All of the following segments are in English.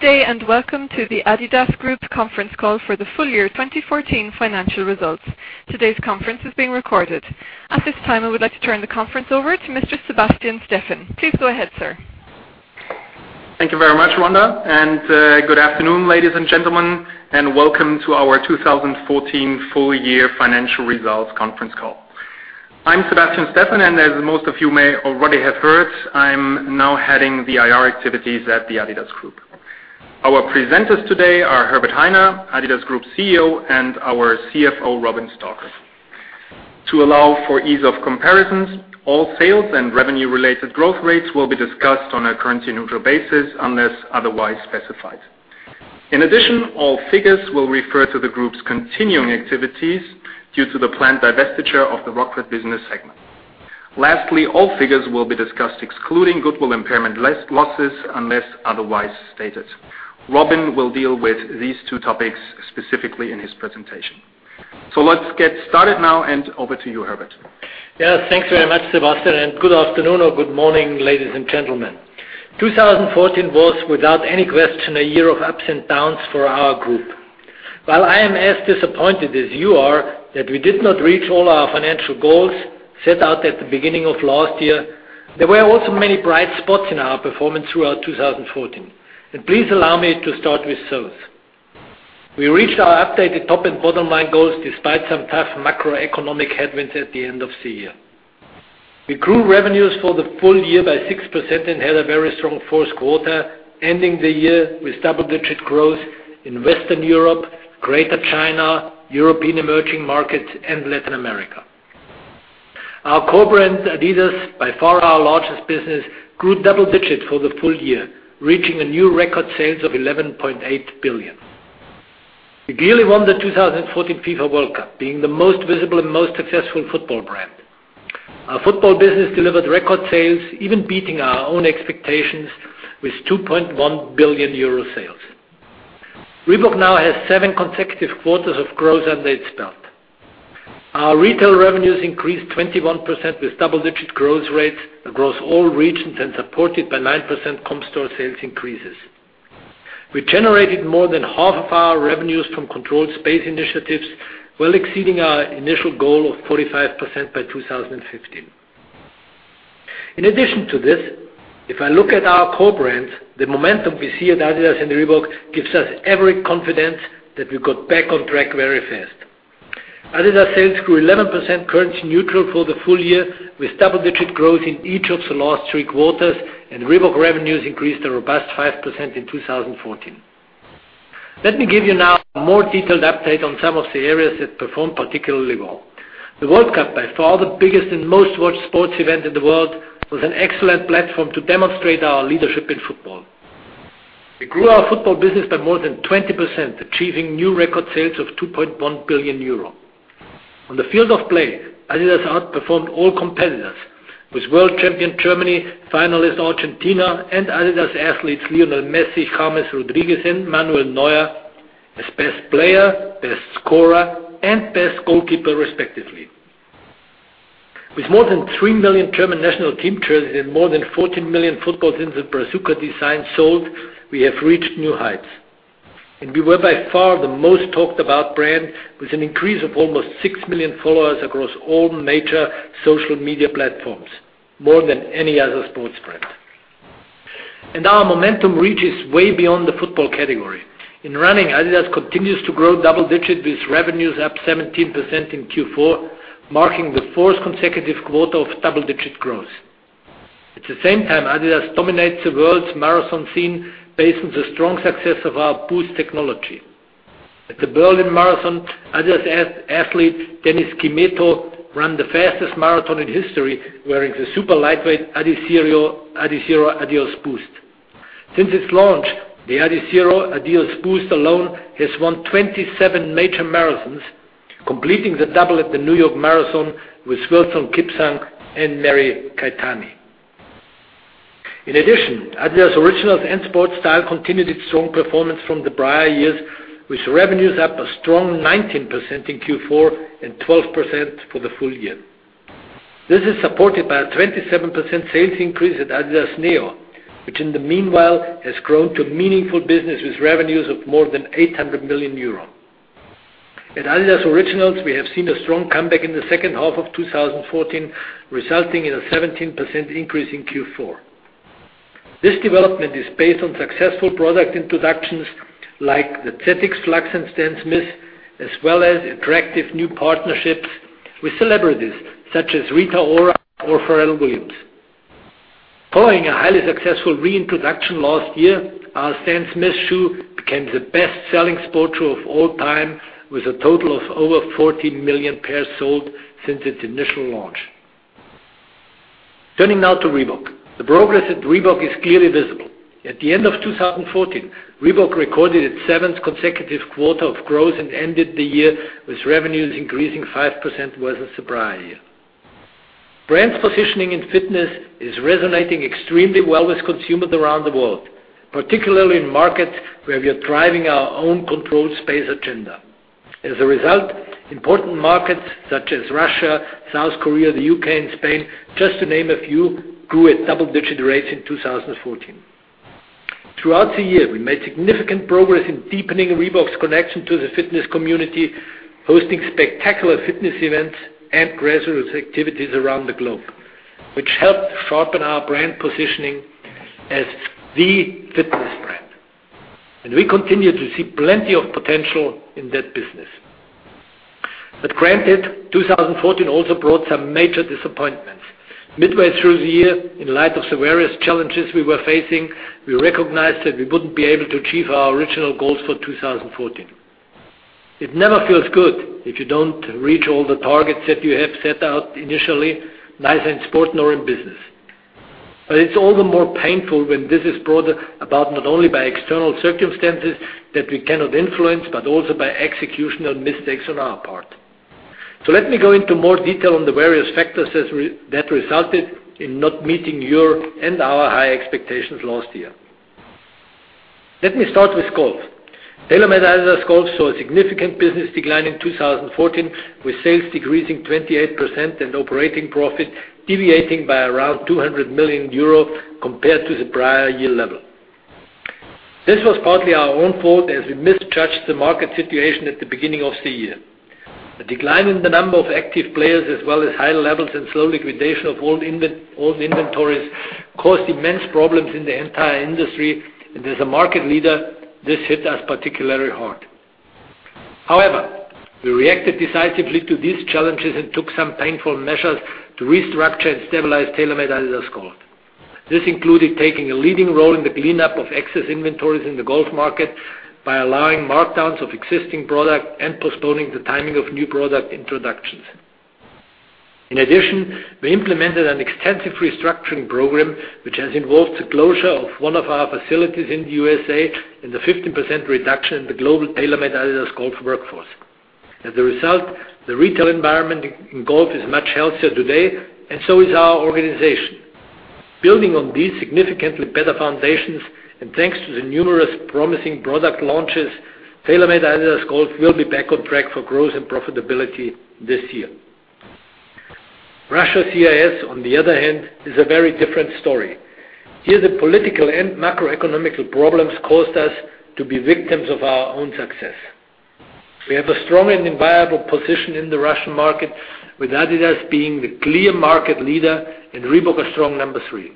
Good day. Welcome to the adidas Group conference call for the full year 2014 financial results. Today's conference is being recorded. At this time, I would like to turn the conference over to Mr. Sebastian Steffen. Please go ahead, sir. Thank you very much, Rhonda. Good afternoon, ladies and gentlemen. Welcome to our 2014 full year financial results conference call. I'm Sebastian Steffen, and as most of you may already have heard, I'm now heading the IR activities at the adidas Group. Our presenters today are Herbert Hainer, adidas Group CEO, and our CFO, Robin Stalker. To allow for ease of comparisons, all sales and revenue-related growth rates will be discussed on a currency-neutral basis unless otherwise specified. In addition, all figures will refer to the Group's continuing activities due to the planned divestiture of the Rockport business segment. Lastly, all figures will be discussed excluding goodwill impairment losses unless otherwise stated. Robin will deal with these two topics specifically in his presentation. Let's get started now. Over to you, Herbert. Yes, thanks very much, Sebastian. Good afternoon or good morning, ladies and gentlemen. 2014 was, without any question, a year of ups and downs for our Group. While I am as disappointed as you are that we did not reach all our financial goals set out at the beginning of last year, there were also many bright spots in our performance throughout 2014. Please allow me to start with sales. We reached our updated top and bottom line goals despite some tough macroeconomic headwinds at the end of the year. We grew revenues for the full year by 6% and had a very strong fourth quarter, ending the year with double-digit growth in Western Europe, Greater China, European emerging markets, and Latin America. Our core brand, adidas, by far our largest business, grew double digits for the full year, reaching new record sales of 11.8 billion. We clearly won the 2014 FIFA World Cup, being the most visible and most successful football brand. Our football business delivered record sales, even beating our own expectations with 2.1 billion euro sales. Reebok now has seven consecutive quarters of growth under its belt. Our retail revenues increased 21% with double-digit growth rates across all regions and supported by 9% comp store sales increases. We generated more than half of our revenues from controlled space initiatives, well exceeding our initial goal of 45% by 2015. In addition to this, if I look at our core brands, the momentum we see at adidas and Reebok gives us every confidence that we got back on track very fast. adidas sales grew 11% currency neutral for the full year, with double-digit growth in each of the last three quarters, and Reebok revenues increased a robust 5% in 2014. Let me give you now a more detailed update on some of the areas that performed particularly well. The World Cup, by far the biggest and most-watched sports event in the world, was an excellent platform to demonstrate our leadership in football. We grew our football business by more than 20%, achieving new record sales of 2.1 billion euro. On the field of play, adidas outperformed all competitors with world champion Germany, finalist Argentina, and adidas athletes Lionel Messi, James Rodriguez, and Manuel Neuer as best player, best scorer, and best goalkeeper respectively. With more than 3 million German national team jerseys and more than 14 million footballs in the Brazuca design sold, we have reached new heights, and we were by far the most talked about brand with an increase of almost 6 million followers across all major social media platforms, more than any other sports brand. Our momentum reaches way beyond the football category. In running, adidas continues to grow double digits with revenues up 17% in Q4, marking the fourth consecutive quarter of double-digit growth. At the same time, adidas dominates the world's marathon scene based on the strong success of our Boost technology. At the Berlin Marathon, adidas athlete Dennis Kimetto ran the fastest marathon in history wearing the super lightweight adizero Adios Boost. Since its launch, the adizero Adios Boost alone has won 27 major marathons, completing the double at the New York Marathon with Wilson Kipsang and Mary Keitany. In addition, adidas Originals and Sport Style continued its strong performance from the prior years, with revenues up a strong 19% in Q4 and 12% for the full year. This is supported by a 27% sales increase at adidas NEO, which in the meanwhile has grown to a meaningful business with revenues of more than 800 million euros. At adidas Originals, we have seen a strong comeback in the second half of 2014, resulting in a 17% increase in Q4. This development is based on successful product introductions like the ZX Flux and Stan Smith, as well as attractive new partnerships with celebrities such as Rita Ora or Pharrell Williams. Following a highly successful reintroduction last year, our Stan Smith shoe became the best-selling sports shoe of all time with a total of over 40 million pairs sold since its initial launch. Turning now to Reebok. The progress at Reebok is clearly visible. At the end of 2014, Reebok recorded its seventh consecutive quarter of growth and ended the year with revenues increasing 5% versus the prior year. Brand positioning in fitness is resonating extremely well with consumers around the world, particularly in markets where we are driving our own controlled space agenda. As a result, important markets such such as Russia, South Korea, the U.K., and Spain, just to name a few, grew at double-digit rates in 2014. Throughout the year, we made significant progress in deepening Reebok's connection to the fitness community, hosting spectacular fitness events and grassroots activities around the globe, which helped sharpen our brand positioning as the fitness brand. We continue to see plenty of potential in that business. Granted, 2014 also brought some major disappointments. Midway through the year, in light of the various challenges we were facing, we recognized that we wouldn't be able to achieve our original goals for 2014. It never feels good if you don't reach all the targets that you have set out initially, neither in sport nor in business. It's all the more painful when this is brought about not only by external circumstances that we cannot influence but also by executional mistakes on our part. Let me go into more detail on the various factors that resulted in not meeting your and our high expectations last year. Let me start with golf. TaylorMade-adidas Golf saw a significant business decline in 2014, with sales decreasing 28% and operating profit deviating by around 200 million euro compared to the prior year level. This was partly our own fault, as we misjudged the market situation at the beginning of the year. A decline in the number of active players, as well as high levels and slow liquidation of old inventories, caused immense problems in the entire industry, and as a market leader, this hit us particularly hard. However, we reacted decisively to these challenges and took some painful measures to restructure and stabilize TaylorMade-adidas Golf. This included taking a leading role in the cleanup of excess inventories in the golf market by allowing markdowns of existing product and postponing the timing of new product introductions. In addition, we implemented an extensive restructuring program, which has involved the closure of one of our facilities in the USA and a 15% reduction in the global TaylorMade-adidas Golf workforce. As a result, the retail environment in golf is much healthier today, and so is our organization. Building on these significantly better foundations and thanks to the numerous promising product launches, TaylorMade-adidas Golf will be back on track for growth and profitability this year. Russia CIS, on the other hand, is a very different story. Here, the political and macroeconomic problems caused us to be victims of our own success. We have a strong and enviable position in the Russian market, with adidas being the clear market leader and Reebok a strong number 3.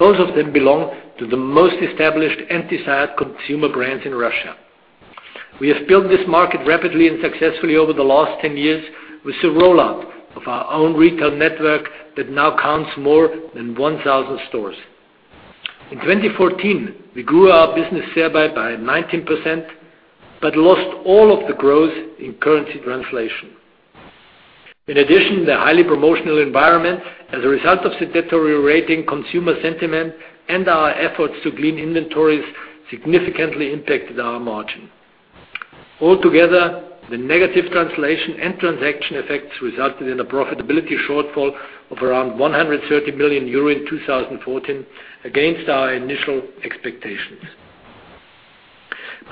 Both of them belong to the most established and desired consumer brands in Russia. We have built this market rapidly and successfully over the last 10 years with the rollout of our own retail network that now counts more than 1,000 stores. In 2014, we grew our business thereby by 19%, but lost all of the growth in currency translation. In addition, the highly promotional environment as a result of the deteriorating consumer sentiment and our efforts to glean inventories significantly impacted our margin. Altogether, the negative translation and transaction effects resulted in a profitability shortfall of around 130 million euro in 2014 against our initial expectations.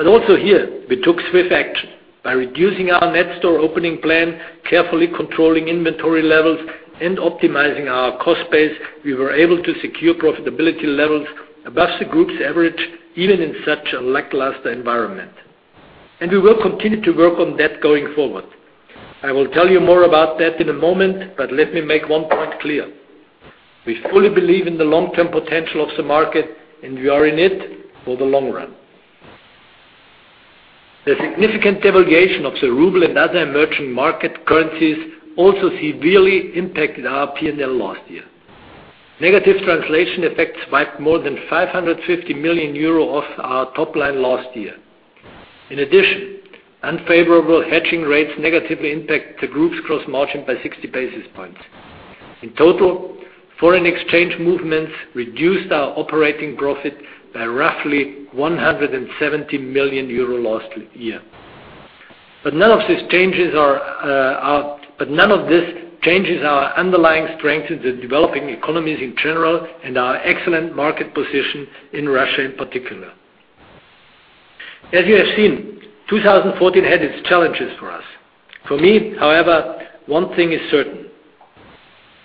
Also here, we took swift action by reducing our net store opening plan, carefully controlling inventory levels, and optimizing our cost base. We were able to secure profitability levels above the group's average, even in such a lackluster environment. We will continue to work on that going forward. I will tell you more about that in a moment, but let me make one point clear. We fully believe in the long-term potential of the market, and we are in it for the long run. The significant devaluation of the RUB and other emerging market currencies also severely impacted our P&L last year. Negative translation effects wiped more than 550 million euro off our top line last year. In addition, unfavorable hedging rates negatively impact the group's gross margin by 60 basis points. In total, foreign exchange movements reduced our operating profit by roughly 170 million euro last year. None of this changes our underlying strength in the developing economies in general and our excellent market position in Russia in particular. As you have seen, 2014 had its challenges for us. For me, however, one thing is certain: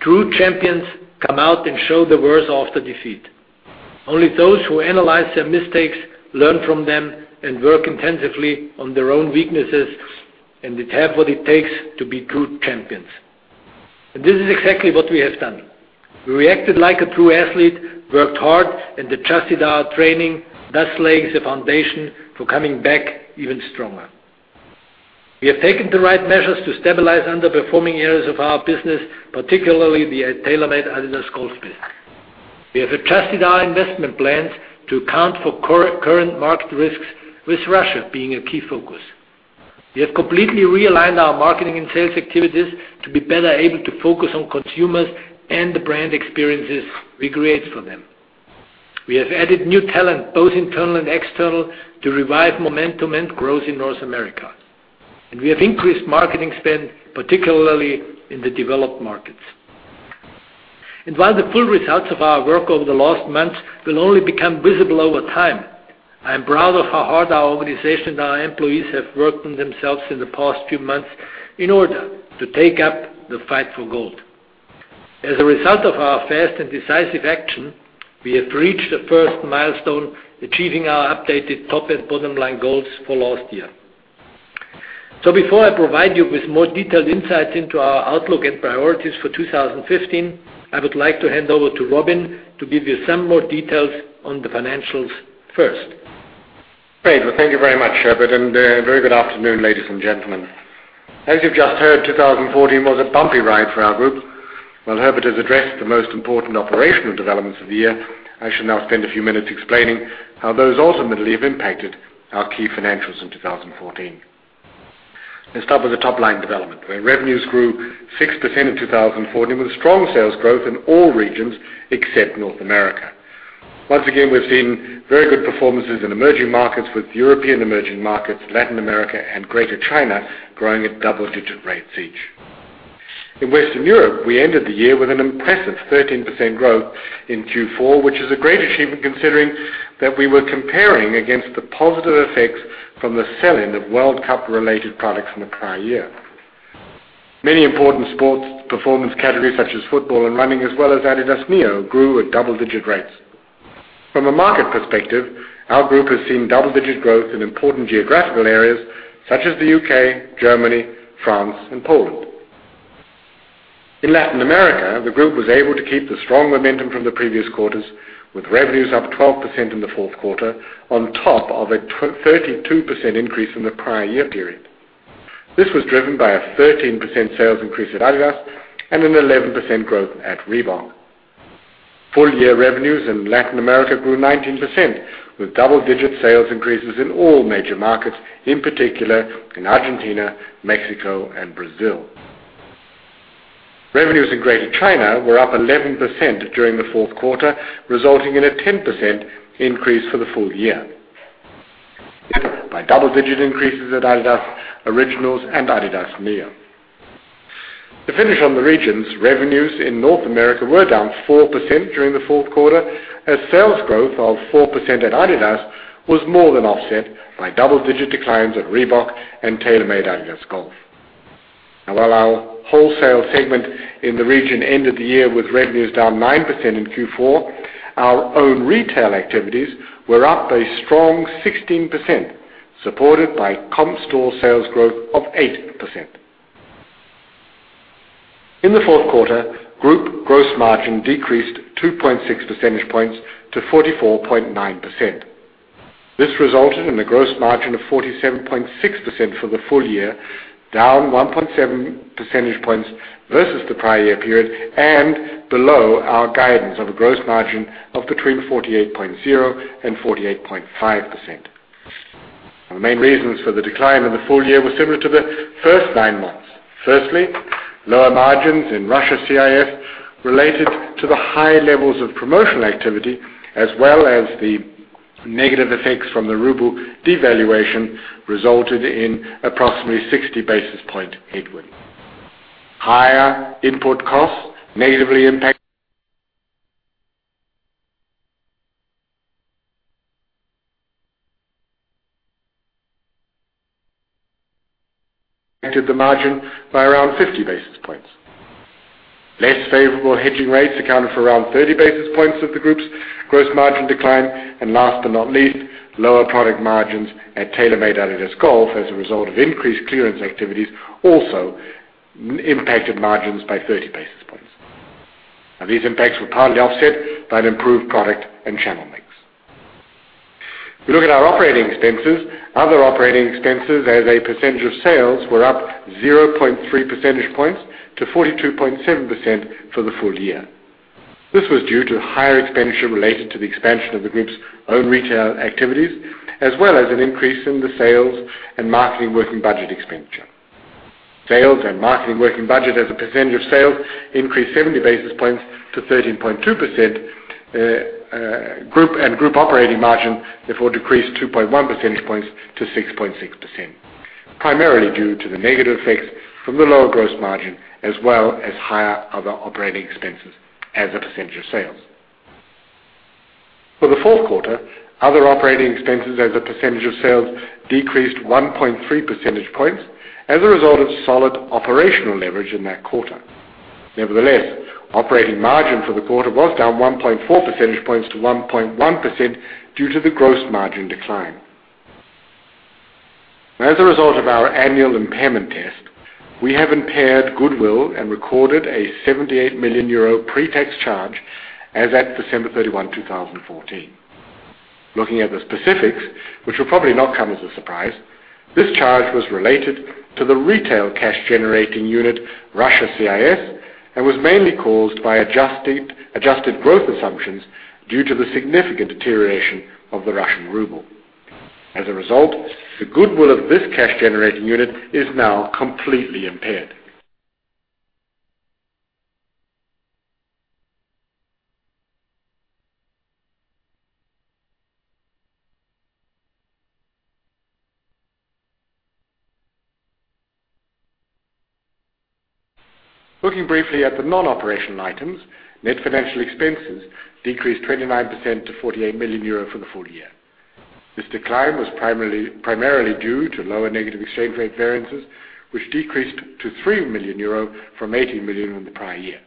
true champions come out and show the worst after defeat. Only those who analyze their mistakes learn from them and work intensively on their own weaknesses and have what it takes to be true champions. This is exactly what we have done. We reacted like a true athlete, worked hard, and adjusted our training, thus laying the foundation for coming back even stronger. We have taken the right measures to stabilize underperforming areas of our business, particularly the TaylorMade-adidas Golf business. We have adjusted our investment plans to account for current market risks, with Russia being a key focus. We have completely realigned our marketing and sales activities to be better able to focus on consumers and the brand experiences we create for them. We have added new talent, both internal and external, to revive momentum and growth in North America. We have increased marketing spend, particularly in the developed markets. While the full results of our work over the last months will only become visible over time, I am proud of how hard our organization and our employees have worked themselves in the past few months in order to take up the fight for gold. As a result of our fast and decisive action, we have reached the first milestone, achieving our updated top and bottom-line goals for last year. Before I provide you with more detailed insights into our outlook and priorities for 2015, I would like to hand over to Robin to give you some more details on the financials first. Great. Well, thank you very much, Herbert, and very good afternoon, ladies and gentlemen. As you've just heard, 2014 was a bumpy ride for our group. While Herbert has addressed the most important operational developments of the year, I shall now spend a few minutes explaining how those ultimately have impacted our key financials in 2014. Let's start with the top-line development, where revenues grew 6% in 2014, with strong sales growth in all regions except North America. Once again, we've seen very good performances in emerging markets with European emerging markets, Latin America, and Greater China growing at double-digit rates each. In Western Europe, we ended the year with an impressive 13% growth in Q4, which is a great achievement considering that we were comparing against the positive effects from the sell-in of World Cup related products from the prior year. Many important sports performance categories such as football and running, as well as adidas NEO, grew at double-digit rates. From a market perspective, our group has seen double-digit growth in important geographical areas such as the U.K., Germany, France, and Poland. In Latin America, the group was able to keep the strong momentum from the previous quarters, with revenues up 12% in the fourth quarter on top of a 32% increase in the prior year period. This was driven by a 13% sales increase at adidas and an 11% growth at Reebok. Full-year revenues in Latin America grew 19%, with double-digit sales increases in all major markets, in particular in Argentina, Mexico, and Brazil. Revenues in Greater China were up 11% during the fourth quarter, resulting in a 10% increase for the full year, by double-digit increases at adidas Originals and adidas NEO. To finish on the regions, revenues in North America were down 4% during the fourth quarter, as sales growth of 4% at adidas was more than offset by double-digit declines at Reebok and TaylorMade-adidas Golf. While our wholesale segment in the region ended the year with revenues down 9% in Q4, our own retail activities were up a strong 16%, supported by comp store sales growth of 8%. In the fourth quarter, group gross margin decreased 2.6 percentage points to 44.9%. This resulted in a gross margin of 47.6% for the full year, down 1.7 percentage points versus the prior year period and below our guidance of a gross margin of between 48.0% and 48.5%. The main reasons for the decline in the full year were similar to the first nine months. Firstly, lower margins in Russia CIS related to the high levels of promotional activity, as well as the negative effects from the ruble devaluation, resulted in approximately 60 basis point headwind. Higher input costs negatively impacted the margin by around 50 basis points. Less favorable hedging rates accounted for around 30 basis points of the group's gross margin decline. Last but not least, lower product margins at TaylorMade-adidas Golf as a result of increased clearance activities also impacted margins by 30 basis points. These impacts were partly offset by an improved product and channel mix. If we look at our operating expenses, other operating expenses as a percentage of sales were up 0.3 percentage points to 42.7% for the full year. This was due to higher expenditure related to the expansion of the group's own retail activities, as well as an increase in the sales and marketing working budget expenditure. Sales and marketing working budget as a percentage of sales increased 70 basis points to 13.2%. Group operating margin, therefore, decreased 2.1 percentage points to 6.6%, primarily due to the negative effects from the lower gross margin as well as higher other operating expenses as a percentage of sales. For the fourth quarter, other operating expenses as a percentage of sales decreased 1.3 percentage points as a result of solid operational leverage in that quarter. Nevertheless, operating margin for the quarter was down 1.4 percentage points to 1.1% due to the gross margin decline. As a result of our annual impairment test, we have impaired goodwill and recorded a €78 million pre-tax charge as at December 31, 2014. Looking at the specifics, which will probably not come as a surprise, this charge was related to the retail cash-generating unit, Russia CIS, and was mainly caused by adjusted growth assumptions due to the significant deterioration of the Russian ruble. As a result, the goodwill of this cash-generating unit is now completely impaired. Looking briefly at the non-operational items, net financial expenses decreased 29% to 48 million euro for the full year. This decline was primarily due to lower negative exchange rate variances, which decreased to 3 million euro from 18 million in the prior year.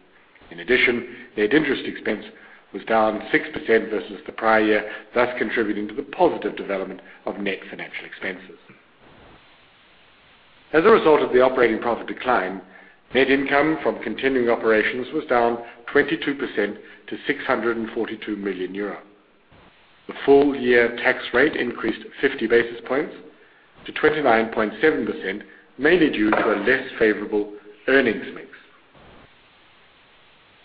In addition, net interest expense was down 6% versus the prior year, thus contributing to the positive development of net financial expenses. As a result of the operating profit decline, net income from continuing operations was down 22% to 642 million euro. The full-year tax rate increased 50 basis points to 29.7%, mainly due to a less favorable earnings mix.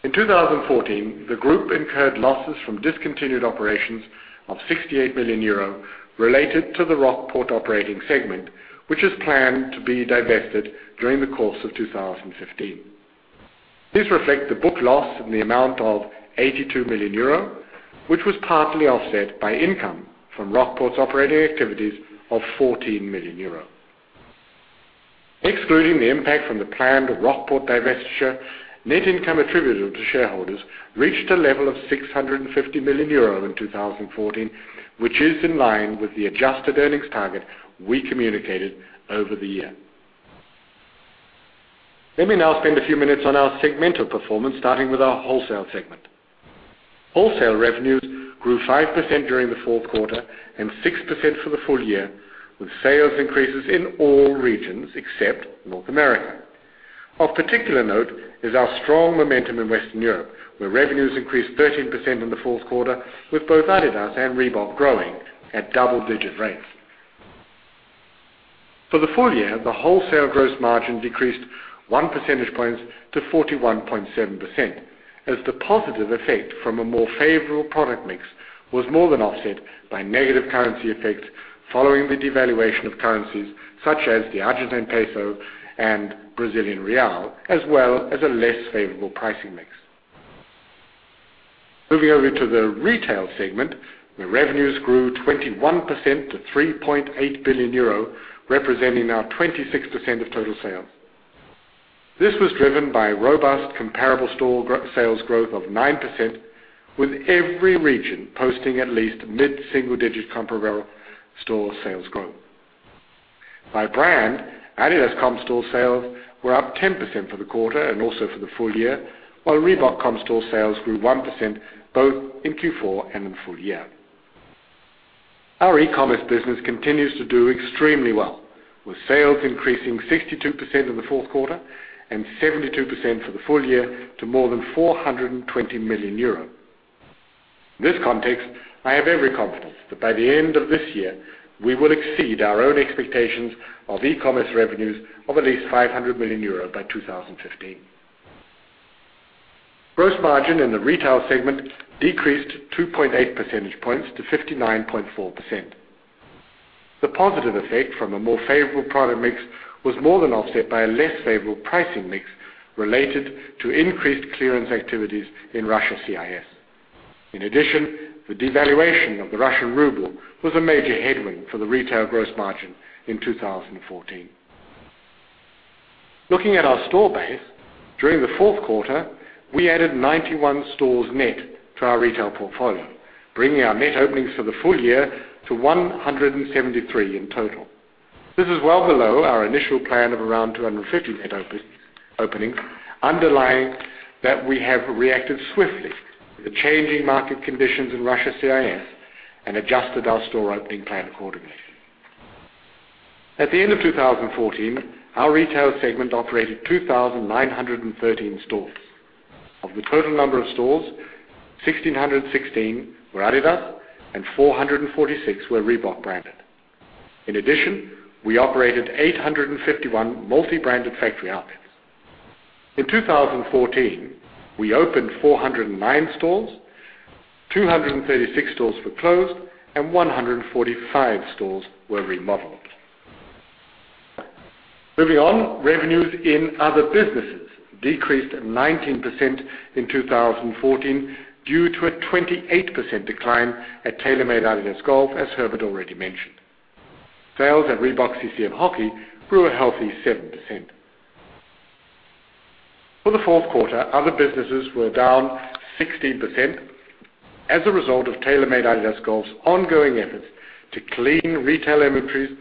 In 2014, the group incurred losses from discontinued operations of 68 million euro related to the Rockport operating segment, which is planned to be divested during the course of 2015. This reflects the book loss in the amount of 82 million euro, which was partly offset by income from Rockport's operating activities of 14 million euro. Excluding the impact from the planned Rockport divestiture, net income attributable to shareholders reached a level of 650 million euro in 2014, which is in line with the adjusted earnings target we communicated over the year. Let me now spend a few minutes on our segmental performance, starting with our wholesale segment. Wholesale revenues grew 5% during the fourth quarter and 6% for the full year, with sales increases in all regions except North America. Of particular note is our strong momentum in Western Europe, where revenues increased 13% in the fourth quarter, with both adidas and Reebok growing at double-digit rates. For the full year, the wholesale gross margin decreased one percentage point to 41.7%, as the positive effect from a more favorable product mix was more than offset by negative currency effects following the devaluation of currencies such as the Argentine peso and Brazilian real, as well as a less favorable pricing mix. Moving over to the retail segment, where revenues grew 21% to 3.8 billion euro, representing now 26% of total sales. This was driven by robust comparable store sales growth of 9%, with every region posting at least mid-single-digit comparable store sales growth. By brand, adidas comp store sales were up 10% for the quarter and also for the full year, while Reebok comp store sales grew 1% both in Q4 and in the full year. Our e-commerce business continues to do extremely well, with sales increasing 62% in the fourth quarter and 72% for the full year to more than 420 million euro. In this context, I have every confidence that by the end of this year, we will exceed our own expectations of e-commerce revenues of at least 500 million euro by 2015. Gross margin in the retail segment decreased 2.8 percentage points to 59.4%. The positive effect from a more favorable product mix was more than offset by a less favorable pricing mix related to increased clearance activities in Russia CIS. In addition, the devaluation of the Russian ruble was a major headwind for the retail gross margin in 2014. Looking at our store base, during the fourth quarter, we added 91 stores net to our retail portfolio, bringing our net openings for the full year to 173 in total. This is well below our initial plan of around 250 net openings, underlying that we have reacted swiftly to the changing market conditions in Russia CIS and adjusted our store opening plan accordingly. At the end of 2014, our retail segment operated 2,913 stores. Of the total number of stores, 1,616 were adidas and 446 were Reebok branded. In addition, we operated 851 multi-branded factory outlets. In 2014, we opened 409 stores, 236 stores were closed, and 145 stores were remodeled. Revenues in other businesses decreased 19% in 2014 due to a 28% decline at TaylorMade-adidas Golf, as Herbert already mentioned. Sales at Reebok-CCM Hockey grew a healthy 7%. For the fourth quarter, other businesses were down 16% as a result of TaylorMade-adidas Golf's ongoing efforts to clean retail inventories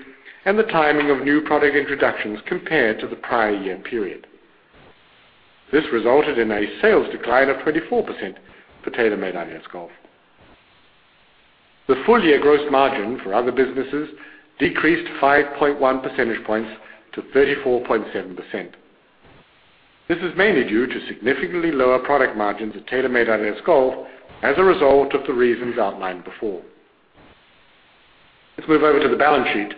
and the timing of new product introductions compared to the prior year period. This resulted in a sales decline of 24% for TaylorMade-adidas Golf. The full-year gross margin for other businesses decreased 5.1 percentage points to 34.7%. This is mainly due to significantly lower product margins at TaylorMade-adidas Golf as a result of the reasons outlined before. Let's move over to the balance sheet.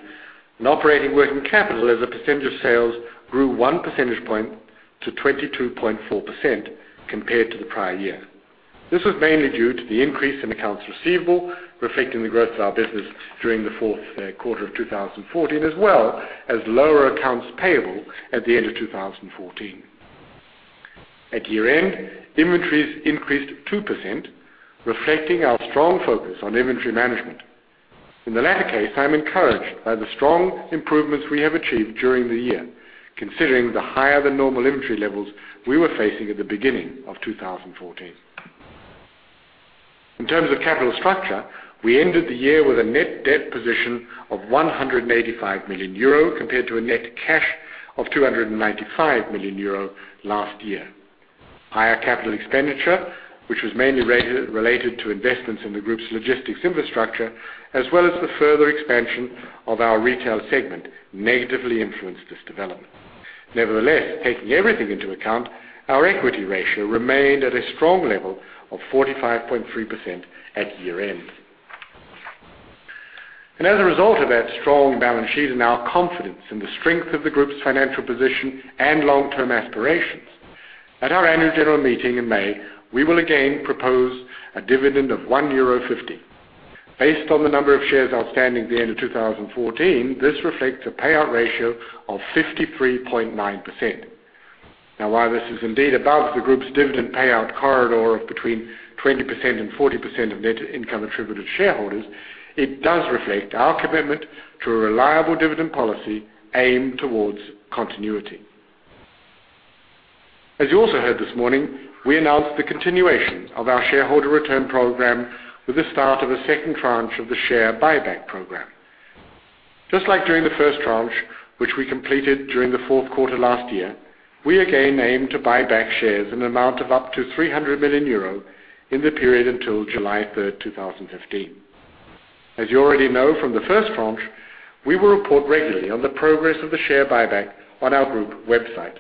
Net operating working capital as a percentage of sales grew one percentage point to 22.4% compared to the prior year. This was mainly due to the increase in accounts receivable, reflecting the growth of our business during the fourth quarter of 2014, as well as lower accounts payable at the end of 2014. At year-end, inventories increased 2%, reflecting our strong focus on inventory management. In the latter case, I'm encouraged by the strong improvements we have achieved during the year, considering the higher-than-normal inventory levels we were facing at the beginning of 2014. In terms of capital structure, we ended the year with a net debt position of 185 million euro compared to a net cash of 295 million euro last year. Higher capital expenditure, which was mainly related to investments in the group's logistics infrastructure, as well as the further expansion of our retail segment, negatively influenced this development. Taking everything into account, our equity ratio remained at a strong level of 45.3% at year-end. As a result of that strong balance sheet and our confidence in the strength of the group's financial position and long-term aspirations, at our annual general meeting in May, we will again propose a dividend of 1.50 euro. Based on the number of shares outstanding at the end of 2014, this reflects a payout ratio of 53.9%. While this is indeed above the group's dividend payout corridor of between 20% and 40% of net income attributed to shareholders, it does reflect our commitment to a reliable dividend policy aimed towards continuity. As you also heard this morning, we announced the continuation of our shareholder return program with the start of a second tranche of the share buyback program. Just like during the first tranche, which we completed during the fourth quarter last year, we again aim to buy back shares in amount of up to 300 million euro in the period until July 3rd, 2015. As you already know from the first tranche, we will report regularly on the progress of the share buyback on our group website.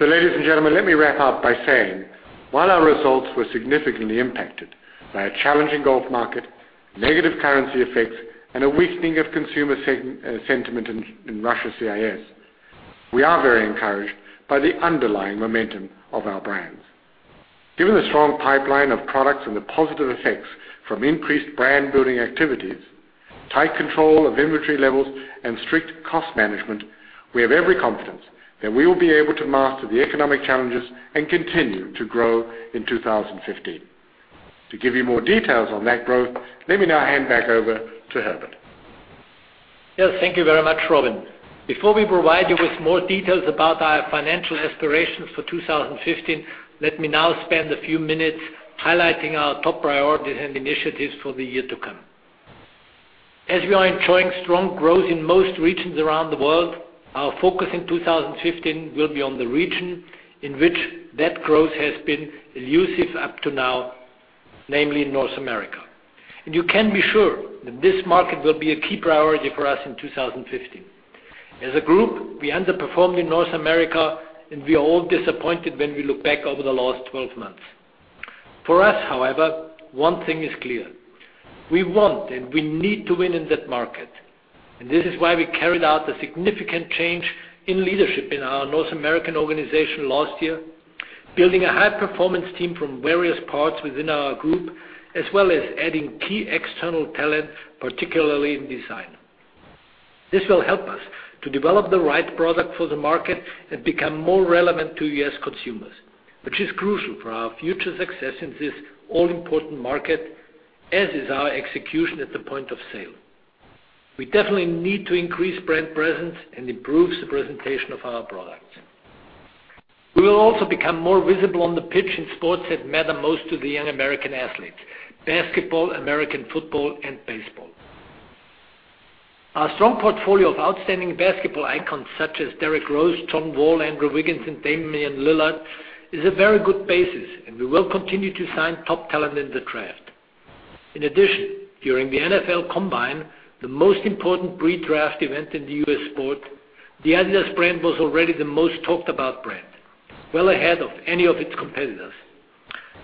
Ladies and gentlemen, let me wrap up by saying, while our results were significantly impacted by a challenging golf market, negative currency effects, and a weakening of consumer sentiment in Russia CIS, we are very encouraged by the underlying momentum of our brands. Given the strong pipeline of products and the positive effects from increased brand-building activities, tight control of inventory levels, and strict cost management, we have every confidence that we will be able to master the economic challenges and continue to grow in 2015. To give you more details on that growth, let me now hand back over to Herbert. Yes, thank you very much, Robin. Before we provide you with more details about our financial aspirations for 2015, let me now spend a few minutes highlighting our top priorities and initiatives for the year to come. As we are enjoying strong growth in most regions around the world, our focus in 2015 will be on the region in which that growth has been elusive up to now, namely North America. You can be sure that this market will be a key priority for us in 2015. As a group, we underperformed in North America, and we are all disappointed when we look back over the last 12 months. For us, however, one thing is clear. We want, and we need to win in that market, and this is why we carried out a significant change in leadership in our North American organization last year, building a high-performance team from various parts within our group, as well as adding key external talent, particularly in design. This will help us to develop the right product for the market and become more relevant to U.S. consumers, which is crucial for our future success in this all-important market, as is our execution at the point of sale. We definitely need to increase brand presence and improve the presentation of our products. We will also become more visible on the pitch in sports that matter most to the young American athletes, basketball, American football, and baseball. Our strong portfolio of outstanding basketball icons such as Derrick Rose, John Wall, Andrew Wiggins, and Damian Lillard is a very good basis, and we will continue to sign top talent in the draft. In addition, during the NFL Combine, the most important pre-draft event in the U.S. sport, the adidas brand was already the most talked about brand, well ahead of any of its competitors.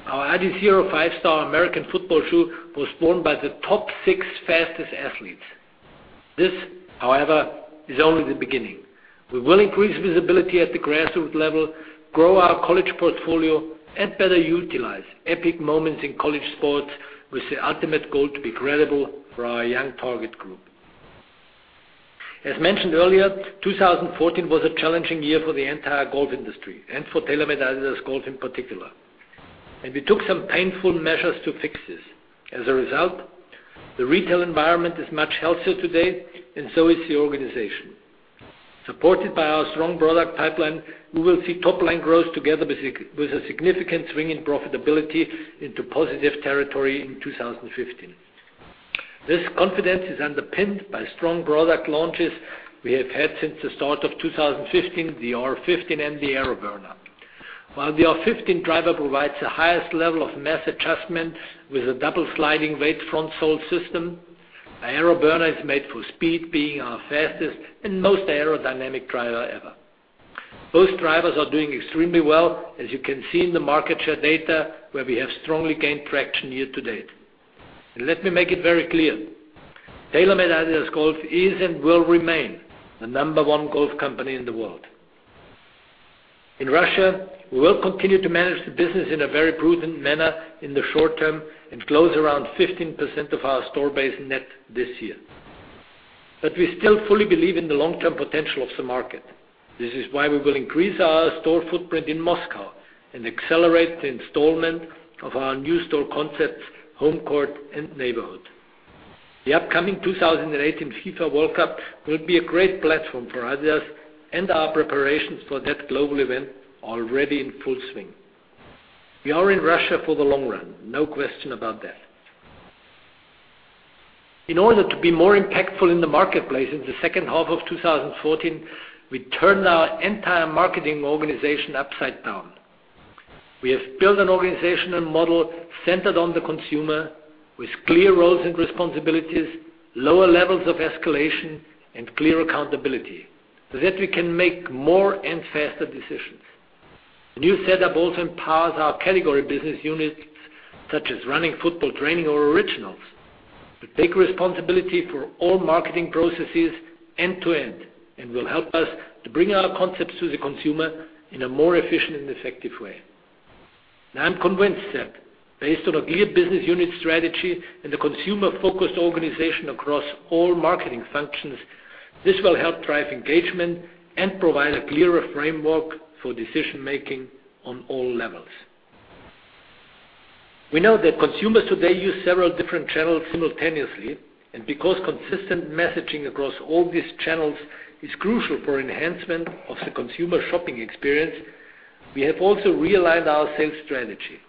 Our Adizero 5-Star American football shoe was worn by the top six fastest athletes. This, however, is only the beginning. We will increase visibility at the grassroots level, grow our college portfolio, and better utilize epic moments in college sports with the ultimate goal to be credible for our young target group. As mentioned earlier, 2014 was a challenging year for the entire golf industry and for TaylorMade-adidas Golf in particular, and we took some painful measures to fix this. As a result, the retail environment is much healthier today, and so is the organization. Supported by our strong product pipeline, we will see top-line growth together with a significant swing in profitability into positive territory in 2015. This confidence is underpinned by strong product launches we have had since the start of 2015, the R15 and the AeroBurner. While the R15 driver provides the highest level of mass adjustment with a double sliding weight front sole system, the AeroBurner is made for speed, being our fastest and most aerodynamic driver ever. Both drivers are doing extremely well, as you can see in the market share data, where we have strongly gained traction year to date. Let me make it very clear, TaylorMade-adidas Golf is and will remain the number one golf company in the world. In Russia, we will continue to manage the business in a very prudent manner in the short term and close around 15% of our store base net this year. But we still fully believe in the long-term potential of the market. This is why we will increase our store footprint in Moscow and accelerate the installment of our new store concepts, HomeCourt and Neighborhood. The upcoming 2018 FIFA World Cup will be a great platform for adidas, and our preparations for that global event are already in full swing. We are in Russia for the long run, no question about that. In order to be more impactful in the marketplace in the second half of 2014, we turned our entire marketing organization upside down. We have built an organizational model centered on the consumer with clear roles and responsibilities, lower levels of escalation, and clear accountability, so that we can make more and faster decisions. The new setup also empowers our category business units, such as running, football, training, or Originals, to take responsibility for all marketing processes end to end and will help us to bring our concepts to the consumer in a more efficient and effective way. I'm convinced that based on a clear business unit strategy and a consumer-focused organization across all marketing functions, this will help drive engagement and provide a clearer framework for decision-making on all levels. We know that consumers today use several different channels simultaneously. Because consistent messaging across all these channels is crucial for enhancement of the consumer shopping experience, we have also realized our sales strategy.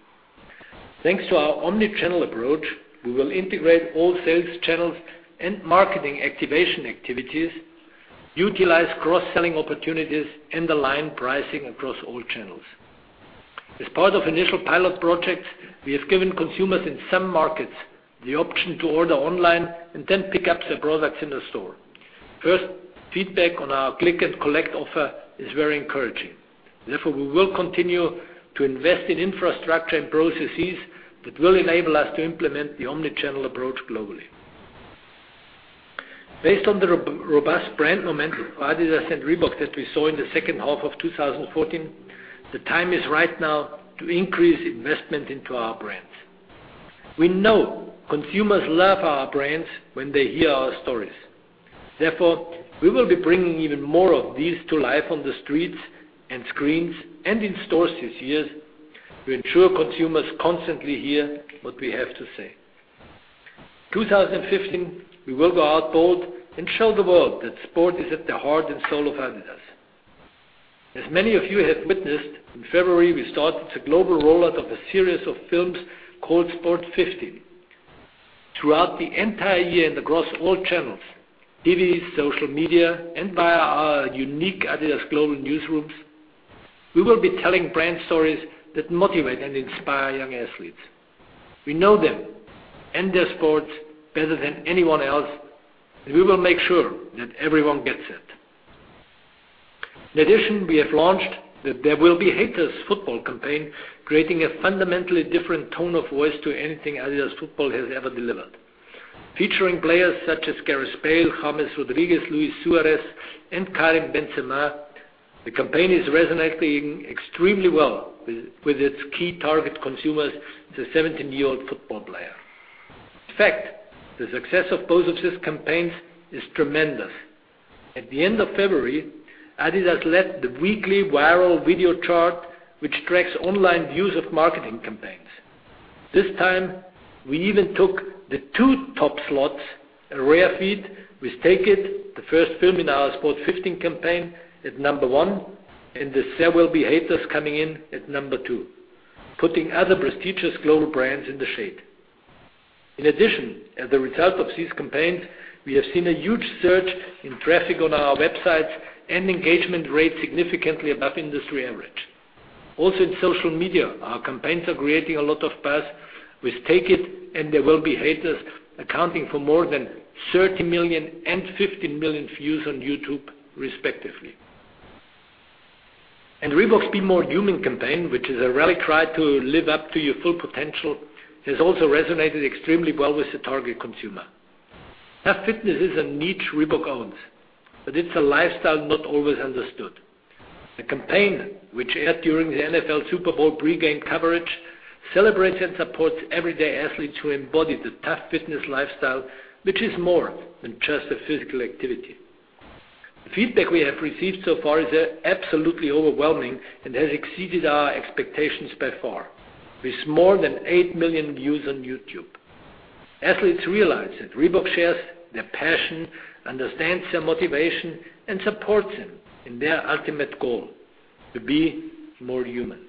Thanks to our omnichannel approach, we will integrate all sales channels and marketing activation activities, utilize cross-selling opportunities, and align pricing across all channels. As part of initial pilot projects, we have given consumers in some markets the option to order online and then pick up the products in the store. First feedback on our Click and Collect offer is very encouraging. Therefore, we will continue to invest in infrastructure and processes that will enable us to implement the omnichannel approach globally. Based on the robust brand momentum for adidas and Reebok that we saw in the second half of 2014, the time is right now to increase investment into our brands. We know consumers love our brands when they hear our stories. Therefore, we will be bringing even more of these to life on the streets, and screens, and in stores this year to ensure consumers constantly hear what we have to say. 2015, we will go out bold and show the world that sport is at the heart and soul of adidas. As many of you have witnessed, in February, we started the global rollout of a series of films called Sport 15. Throughout the entire year and across all channels, TV, social media, and via our unique adidas global newsrooms, we will be telling brand stories that motivate and inspire young athletes. We know them and their sports better than anyone else, and we will make sure that everyone gets it. In addition, we have launched the There Will Be Haters football campaign, creating a fundamentally different tone of voice to anything adidas Football has ever delivered. Featuring players such as Gareth Bale, James Rodriguez, Luis Suárez, and Karim Benzema, the campaign is resonating extremely well with its key target consumers, the 17-year-old football player. In fact, the success of both of these campaigns is tremendous. At the end of February, adidas led the weekly viral video chart, which tracks online views of marketing campaigns. This time, we even took the two top slots, a rare feat, with "Take It," the first film in our Sport 15 campaign at number one, and the "There Will Be Haters" coming in at number two, putting other prestigious global brands in the shade. In addition, as a result of these campaigns, we have seen a huge surge in traffic on our websites and engagement rate significantly above industry average. Also, in social media, our campaigns are creating a lot of buzz with "Take It" and "There Will Be Haters" accounting for more than 30 million and 15 million views on YouTube, respectively. Reebok's Be More Human campaign, which is a rally cry to live up to your full potential, has also resonated extremely well with the target consumer. Tough fitness is a niche Reebok owns, but it's a lifestyle not always understood. The campaign, which aired during the NFL Super Bowl pre-game coverage, celebrates and supports everyday athletes who embody the tough fitness lifestyle, which is more than just a physical activity. Feedback we have received so far is absolutely overwhelming and has exceeded our expectations by far, with more than 8 million views on YouTube. Athletes realize that Reebok shares their passion, understands their motivation, and supports them in their ultimate goal, to be more human.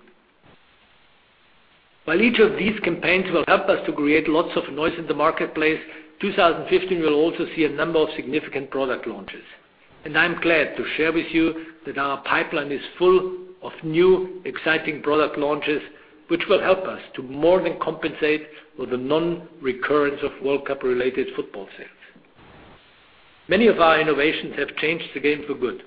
While each of these campaigns will help us to create lots of noise in the marketplace, 2015 will also see a number of significant product launches. I'm glad to share with you that our pipeline is full of new, exciting product launches, which will help us to more than compensate for the non-recurrence of World Cup-related football sales. Many of our innovations have changed the game for good.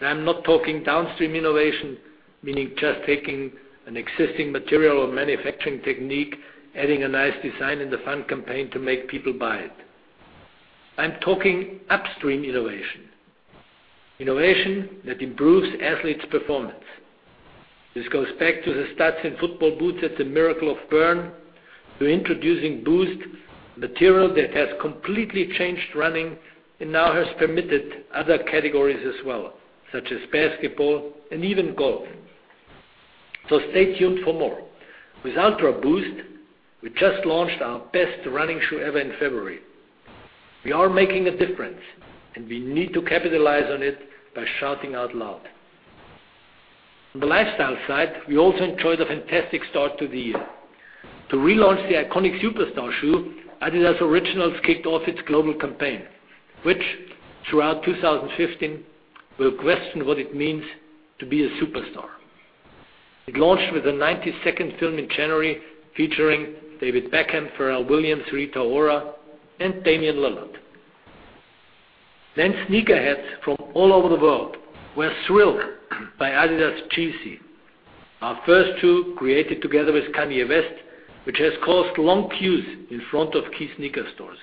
I'm not talking downstream innovation, meaning just taking an existing material or manufacturing technique, adding a nice design and a fun campaign to make people buy it. I'm talking upstream innovation. Innovation that improves athletes' performance. This goes back to the studs in football boots at the Miracle of Bern, to introducing Boost, material that has completely changed running and now has permitted other categories as well, such as basketball and even golf. Stay tuned for more. With UltraBOOST, we just launched our best running shoe ever in February. We are making a difference, and we need to capitalize on it by shouting out loud. On the lifestyle side, we also enjoyed a fantastic start to the year. To relaunch the iconic Superstar shoe, adidas Originals kicked off its global campaign, which throughout 2015 will question what it means to be a superstar. It launched with a 90-second film in January featuring David Beckham, Pharrell Williams, Rita Ora, and Damian Lillard. Sneakerheads from all over the world were thrilled by adidas Yeezy, our first shoe created together with Kanye West, which has caused long queues in front of key sneaker stores.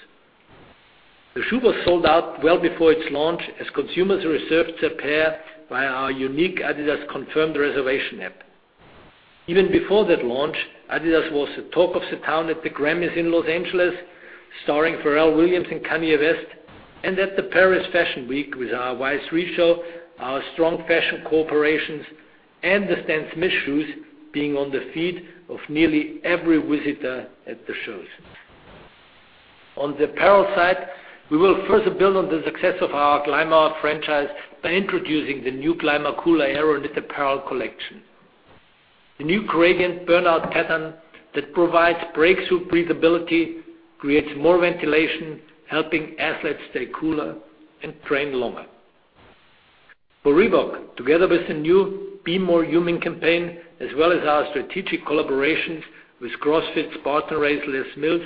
The shoe was sold out well before its launch as consumers reserved their pair via our unique adidas Confirmed reservation app. Even before that launch, adidas was the talk of the town at the Grammys in Los Angeles, starring Pharrell Williams and Kanye West, and at the Paris Fashion Week with our Y-3 show, our strong fashion corporations, and the Stan Smith shoes being on the feet of nearly every visitor at the shows. On the apparel side, we will further build on the success of our Clima franchise by introducing the new Climacool Aeroknit apparel collection. The new gradient burnout pattern that provides breakthrough breathability creates more ventilation, helping athletes stay cooler and train longer. For Reebok, together with the new Be More Human campaign, as well as our strategic collaborations with CrossFit's partner, Les Mills,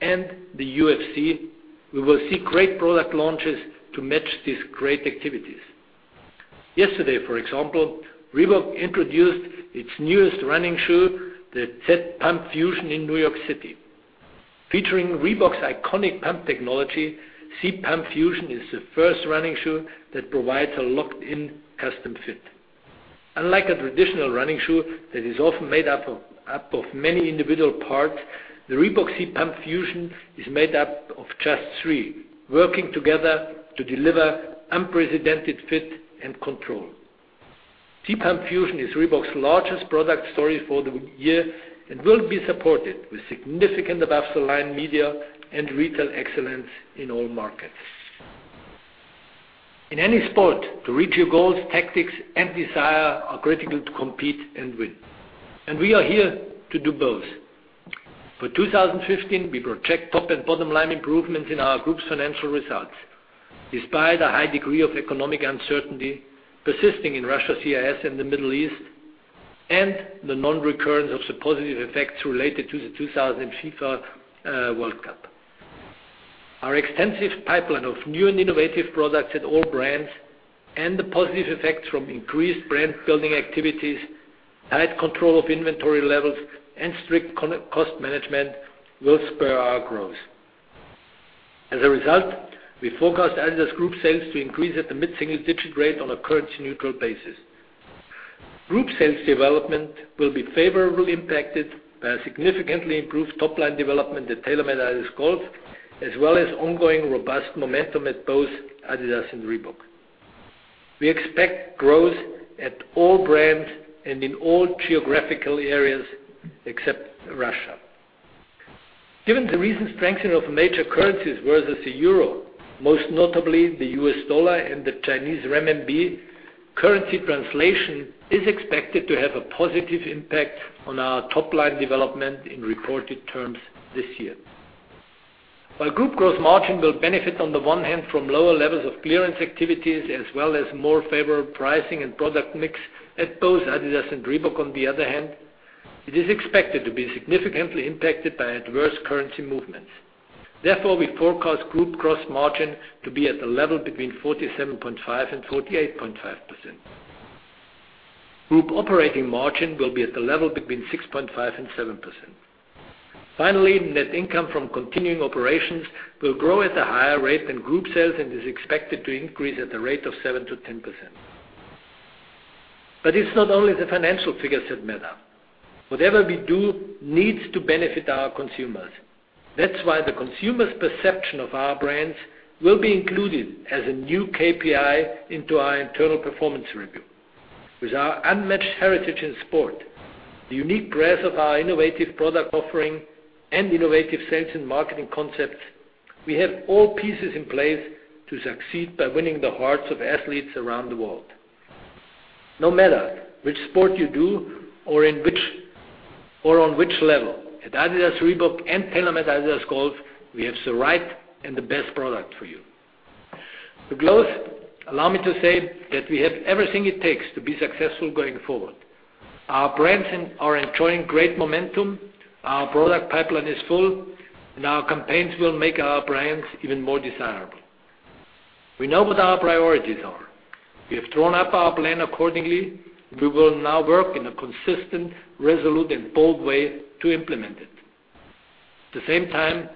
and the UFC, we will see great product launches to match these great activities. Yesterday, for example, Reebok introduced its newest running shoe, the ZPump Fusion, in New York City. Featuring Reebok's iconic Pump technology, ZPump Fusion is the first running shoe that provides a locked-in custom fit. Unlike a traditional running shoe that is often made up of many individual parts, the Reebok ZPump Fusion is made up of just three, working together to deliver unprecedented fit and control. ZPump Fusion is Reebok's largest product story for the year and will be supported with significant above-the-line media and retail excellence in all markets. In any sport, to reach your goals, tactics and desire are critical to compete and win, and we are here to do both. For 2015, we project top and bottom line improvements in our group's financial results, despite a high degree of economic uncertainty persisting in Russia, CIS, and the Middle East, and the non-recurrence of the positive effects related to the 2014 FIFA World Cup. Our extensive pipeline of new and innovative products at all brands and the positive effects from increased brand-building activities, tight control of inventory levels, and strict cost management will spur our growth. As a result, we forecast adidas Group sales to increase at a mid-single-digit rate on a currency-neutral basis. Group sales development will be favorably impacted by a significantly improved top-line development at TaylorMade-adidas Golf, as well as ongoing robust momentum at both adidas and Reebok. We expect growth at all brands and in all geographical areas except Russia. Given the recent strengthening of major currencies versus the euro, most notably the US dollar and the Chinese renminbi, currency translation is expected to have a positive impact on our top-line development in reported terms this year. While group gross margin will benefit on the one hand from lower levels of clearance activities as well as more favorable pricing and product mix at both adidas and Reebok on the other hand, it is expected to be significantly impacted by adverse currency movements. Therefore, we forecast group gross margin to be at a level between 47.5% and 48.5%. Group operating margin will be at a level between 6.5% and 7%. Finally, net income from continuing operations will grow at a higher rate than group sales and is expected to increase at a rate of 7%-10%. It's not only the financial figures that matter. Whatever we do needs to benefit our consumers. That's why the consumer's perception of our brands will be included as a new KPI into our internal performance review. With our unmatched heritage in sport, the unique breadth of our innovative product offering, and innovative sales and marketing concepts, we have all pieces in place to succeed by winning the hearts of athletes around the world. No matter which sport you do or on which level, at adidas, Reebok, and TaylorMade-adidas Golf, we have the right and the best product for you. To close, allow me to say that we have everything it takes to be successful going forward. Our brands are enjoying great momentum, our product pipeline is full, and our campaigns will make our brands even more desirable. We know what our priorities are. We have drawn up our plan accordingly. We will now work in a consistent, resolute, and bold way to implement it. At the same time,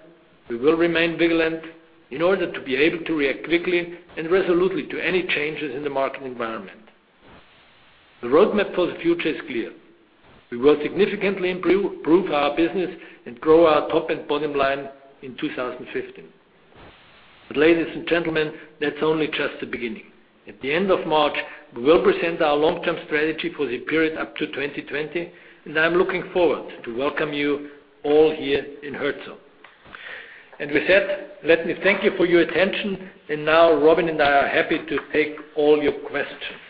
we will remain vigilant in order to be able to react quickly and resolutely to any changes in the market environment. The roadmap for the future is clear. We will significantly improve our business and grow our top and bottom line in 2015. Ladies and gentlemen, that's only just the beginning. At the end of March, we will present our long-term strategy for the period up to 2020, and I'm looking forward to welcome you all here in Herzogenaurach. With that, let me thank you for your attention. Now Robin and I are happy to take all your questions.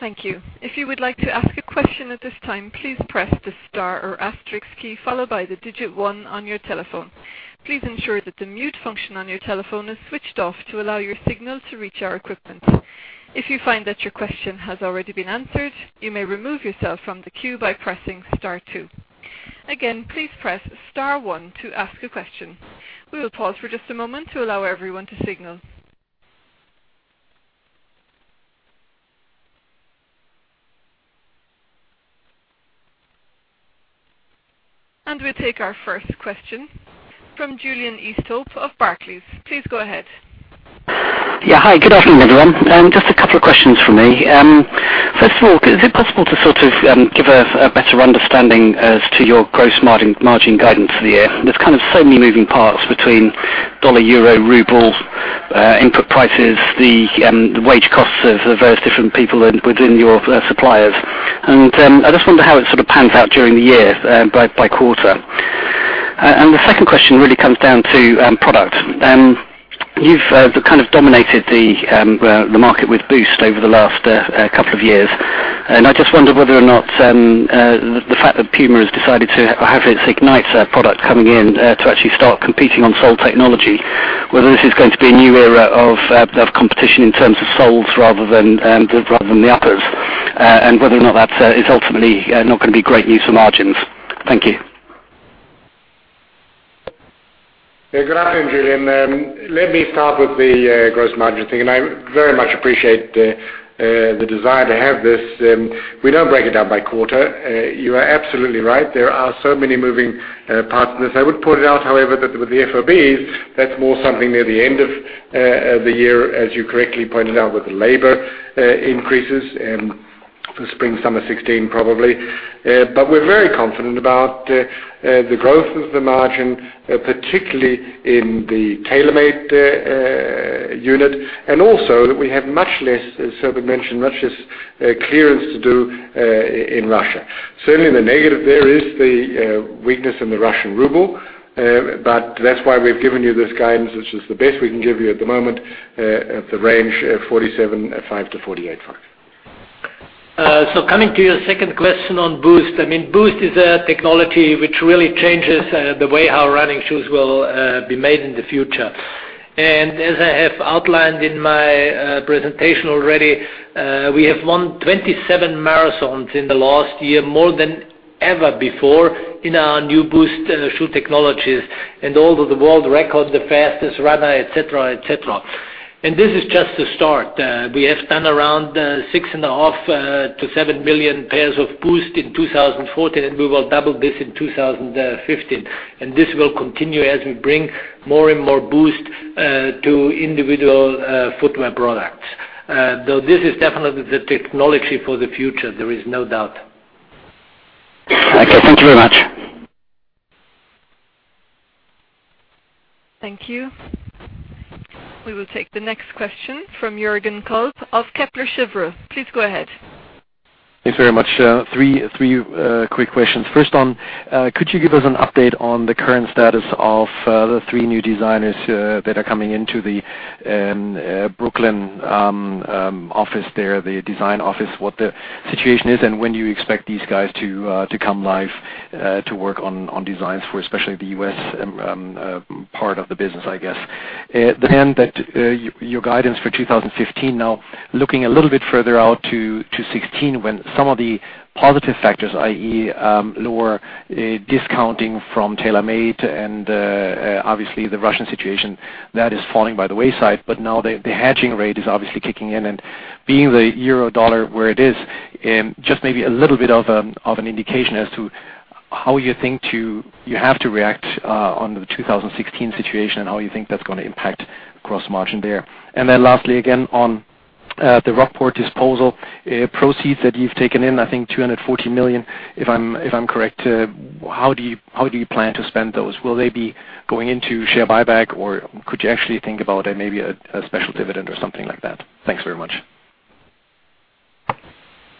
Thank you. If you would like to ask a question at this time, please press the star or asterisk key, followed by the digit one on your telephone. Please ensure that the mute function on your telephone is switched off to allow your signal to reach our equipment. If you find that your question has already been answered, you may remove yourself from the queue by pressing star two. Again, please press star one to ask a question. We will pause for just a moment to allow everyone to signal. We take our first question from Julian Easthope of Barclays. Please go ahead. Yeah. Hi. Good afternoon, everyone. Just a couple of questions from me. First of all, is it possible to sort of give a better understanding as to your gross margin guidance for the year? There's kind of so many moving parts between dollar, euro, ruble, input prices, the wage costs of the various different people within your suppliers. I just wonder how it sort of pans out during the year by quarter. The second question really comes down to product. You've kind of dominated the market with Boost over the last couple of years. I just wonder whether or not the fact that Puma has decided to have its Ignite product coming in to actually start competing on sole technology, whether this is going to be a new era of competition in terms of soles rather than the uppers, and whether or not that is ultimately not going to be great news for margins. Thank you. Yeah, good afternoon, Julian. Let me start with the gross margin thing. I very much appreciate the desire to have this. We don't break it down by quarter. You are absolutely right, there are so many moving parts in this. I would point it out, however, that with the FOB, that's more something near the end of the year, as you correctly pointed out, with the labor increases for spring/summer 2016, probably. We're very confident about the growth of the margin, particularly in the TaylorMade unit, and also that we have much less, as Herbert mentioned, much less clearance to do in Russia. Certainly, the negative there is the weakness in the Russian ruble. That's why we've given you this guidance, which is the best we can give you at the moment, at the range of 47.5%-48.5%. Coming to your second question on Boost. Boost is a technology which really changes the way our running shoes will be made in the future. As I have outlined in my presentation already, we have won 27 marathons in the last year, more than ever before, in our new Boost shoe technologies and all of the world records, the fastest runner, et cetera. This is just the start. We have done around 6.5 million-7 million pairs of Boost in 2014, and we will double this in 2015. This will continue as we bring more and more Boost to individual footwear products. This is definitely the technology for the future, there is no doubt. Okay. Thank you very much. Thank you. We will take the next question from Jürgen Kolb of Kepler Cheuvreux. Please go ahead. Thanks very much. Three quick questions. Could you give us an update on the current status of the three new designers that are coming into the Brooklyn office there, the design office, what the situation is, and when do you expect these guys to come live to work on designs for especially the U.S. part of the business, I guess? Your guidance for 2015, now looking a little bit further out to 2016 when some of the positive factors, i.e., lower discounting from TaylorMade and obviously the Russian situation, that is falling by the wayside. Now the hedging rate is obviously kicking in and being the euro/dollar where it is, just maybe a little bit of an indication as to how you think you have to react on the 2016 situation and how you think that's going to impact gross margin there. Lastly, again, on the Rockport disposal proceeds that you've taken in, I think 240 million, if I'm correct. How do you plan to spend those? Will they be going into share buyback, or could you actually think about maybe a special dividend or something like that? Thanks very much.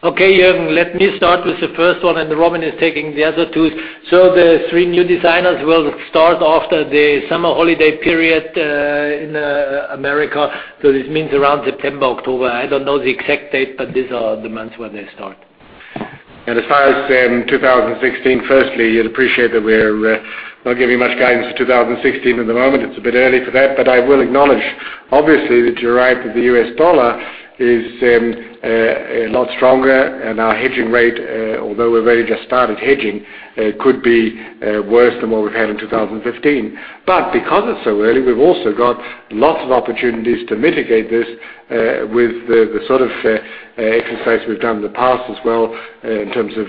Okay, Jürgen, let me start with the first one, Robin is taking the other two. The three new designers will start after the summer holiday period in America. This means around September, October. I don't know the exact date, but these are the months when they start. As far as 2016, firstly, you'll appreciate that we're not giving much guidance for 2016 at the moment. It's a bit early for that. I will acknowledge, obviously, that you're right, that the U.S. dollar is a lot stronger and our hedging rate, although we've only just started hedging, could be worse than what we've had in 2015. Because it's so early, we've also got lots of opportunities to mitigate this with the sort of exercise we've done in the past as well in terms of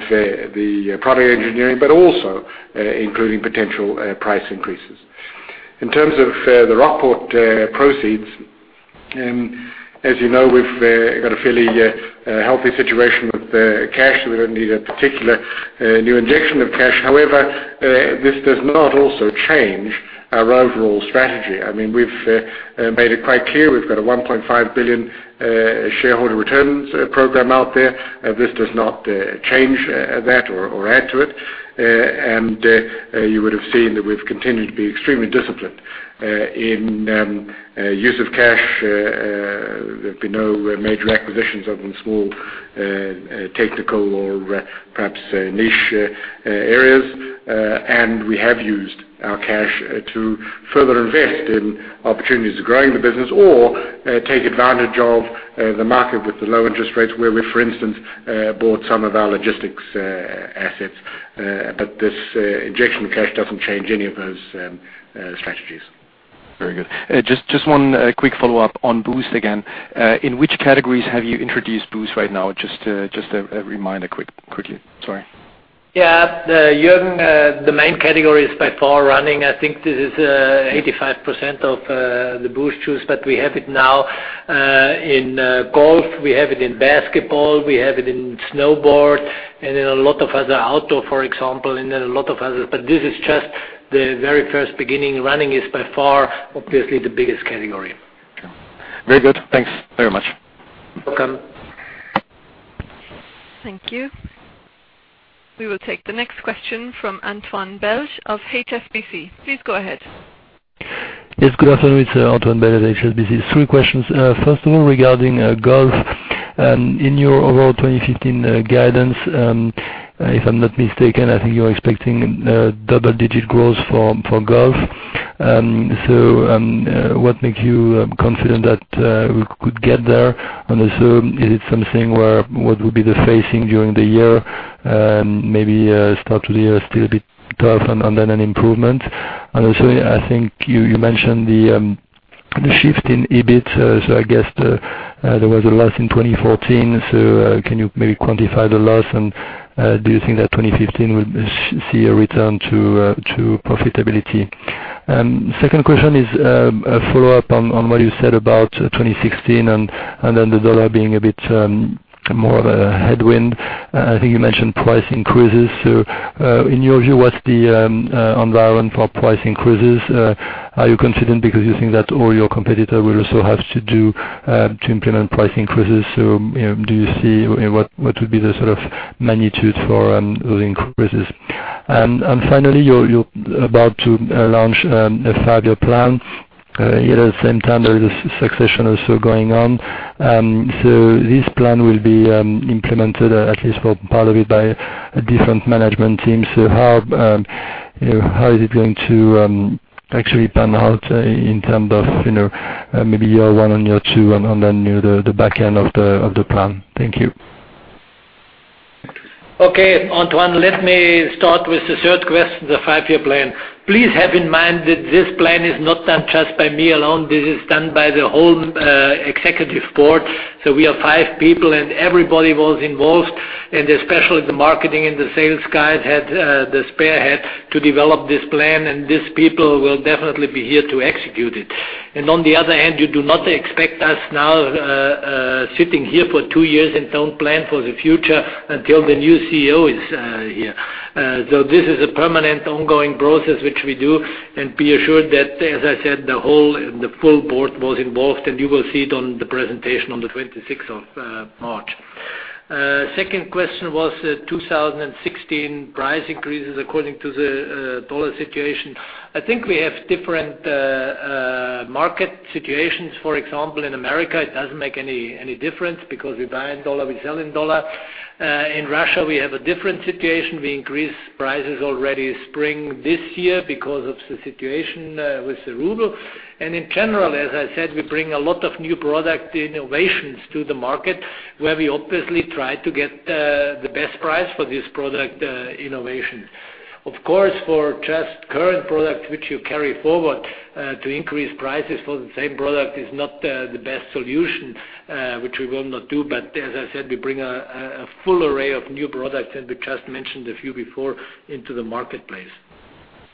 the product engineering, but also including potential price increases. In terms of the Rockport proceeds, as you know, we've got a fairly healthy situation with the cash. We don't need a particular new injection of cash. However, this does not also change our overall strategy. We've made it quite clear we've got a 1.5 billion shareholder returns program out there. This does not change that or add to it. You would have seen that we've continued to be extremely disciplined in use of cash. There've been no major acquisitions other than small technical or perhaps niche areas. We have used our cash to further invest in opportunities of growing the business or take advantage of the market with the low interest rates where we, for instance, bought some of our logistics assets. This injection of cash doesn't change any of those strategies. Very good. Just one quick follow-up on Boost again. In which categories have you introduced Boost right now? Just a reminder quickly. Sorry. Yeah. Jürgen, the main category is by far running. I think this is 85% of the Boost shoes, but we have it now in golf, we have it in basketball, we have it in snowboard, and in a lot of other outdoor, for example, and in a lot of others. This is just the very first beginning. Running is by far, obviously the biggest category. Very good. Thanks very much. Welcome. Thank you. We will take the next question from Antoine Belge of HSBC. Please go ahead. Yes, good afternoon. It is Antoine Belge at HSBC. Three questions. First of all, regarding Golf. In your overall 2015 guidance, if I am not mistaken, I think you are expecting double-digit growth for Golf. What makes you confident that we could get there? Is it something where, what will be the phasing during the year? Maybe start the year still a bit tough and then an improvement? I think you mentioned the shift in EBIT. I guess there was a loss in 2014. Can you maybe quantify the loss? Do you think that 2015 will see a return to profitability? Second question is a follow-up on what you said about 2016 and the U.S. dollar being a bit more of a headwind. I think you mentioned price increases. In your view, what is the environment for price increases? Are you confident because you think that all your competitors will also have to implement price increases? Do you see what would be the sort of magnitude for those increases? You are about to launch a five-year plan. Yet at the same time, there is a succession also going on. This plan will be implemented, at least for part of it, by a different management team. How is it going to actually pan out in terms of maybe year one and year two and then the back end of the plan? Thank you. Okay. Antoine, let me start with the third question, the five-year plan. Please have in mind that this plan is not done just by me alone. This is done by the whole Executive Board. We are five people, and everybody was involved, and especially the marketing and the sales guys had the spearhead to develop this plan, and these people will definitely be here to execute it. On the other hand, you do not expect us now sitting here for two years and do not plan for the future until the new CEO is here. This is a permanent ongoing process, which we do, and be assured that, as I said, the whole and the full board was involved, and you will see it on the presentation on the 26th of March. Second question was 2016 price increases according to the U.S. dollar situation. I think we have different market situations. For example, in the U.S., it does not make any difference because we buy in U.S. dollars, we sell in U.S. dollars. In Russia, we have a different situation. We increased prices already spring this year because of the situation with the RUB. In general, as I said, we bring a lot of new product innovations to the market where we obviously try to get the best price for this product innovation. Of course, for just current product which you carry forward, to increase prices for the same product is not the best solution, which we will not do, but as I said, we bring a full array of new products, and we just mentioned a few before into the marketplace.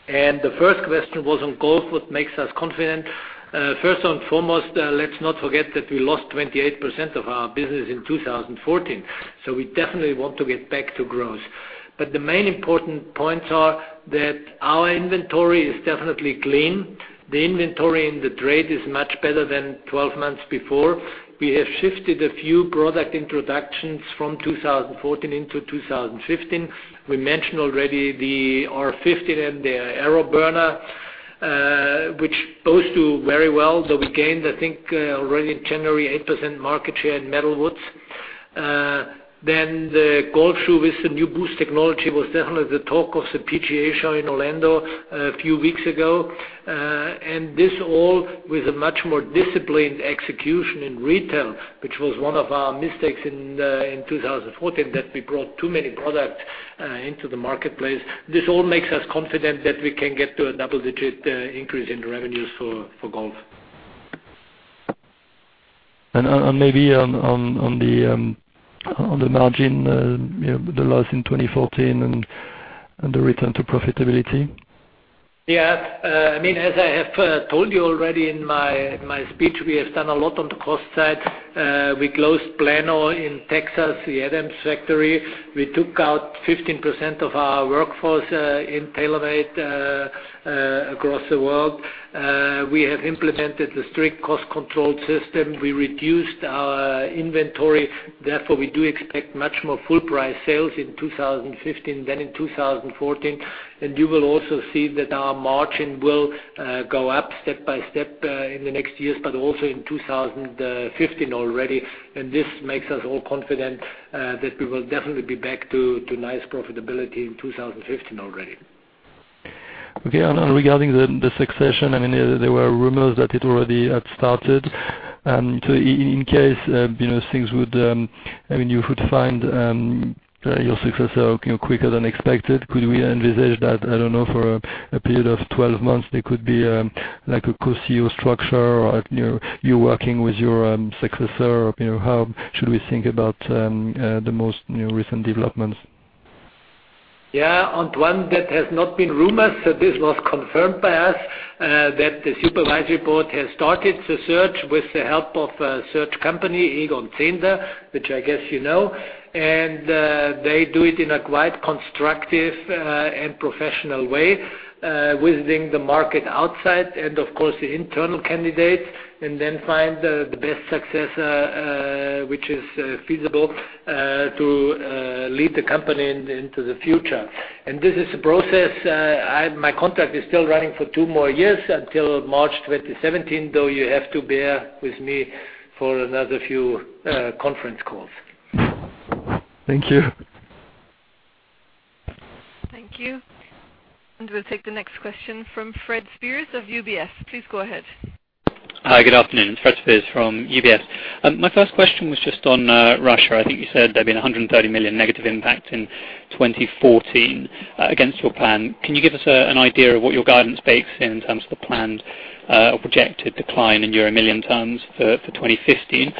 The first question was on Golf, what makes us confident. First and foremost, let's not forget that we lost 28% of our business in 2014. We definitely want to get back to growth. The main important points are that our inventory is definitely clean. The inventory and the trade is much better than 12 months before. We have shifted a few product introductions from 2014 into 2015. We mentioned already the R15 and the AeroBurner, which both do very well. We gained, I think already in January, 8% market share in metal woods. Then the golf shoe with the new Boost technology was definitely the talk of the PGA Show in Orlando a few weeks ago. This all with a much more disciplined execution in retail, which was one of our mistakes in 2014, that we brought too many products into the marketplace. This all makes us confident that we can get to a double-digit increase in revenues for Golf. Maybe on the margin, the loss in 2014 and the return to profitability. As I have told you already in my speech, we have done a lot on the cost side. We closed Plano in Texas, the Adams factory. We took out 15% of our workforce in TaylorMade across the world. We have implemented a strict cost control system. We reduced our inventory, therefore, we do expect much more full price sales in 2015 than in 2014. You will also see that our margin will go up step by step in the next years, but also in 2015 already. This makes us all confident that we will definitely be back to nice profitability in 2015 already. Okay. Regarding the succession, there were rumors that it already had started. In case you should find your successor quicker than expected, could we envisage that, I don't know, for a period of 12 months, there could be like a co-CEO structure, or you working with your successor? How should we think about the most recent developments? Yeah, Antoine Belge, that has not been rumors. This was confirmed by us that the supervisory board has started the search with the help of a search company, Egon Zehnder, which I guess you know. They do it in a quite constructive and professional way, visiting the market outside and, of course, the internal candidates, then find the best successor which is feasible to lead the company into the future. This is a process. My contract is still running for two more years until March 2017, though you have to bear with me for another few conference calls. Thank you. Thank you. We'll take the next question from Fred Speirs of UBS. Please go ahead. Hi, good afternoon. Fred Speirs from UBS. My first question was just on Russia. I think you said there'd been 130 million negative impact in 2014 against your plan. Can you give us an idea of what your guidance bakes in terms of the planned or projected decline in euro million terms for 2015?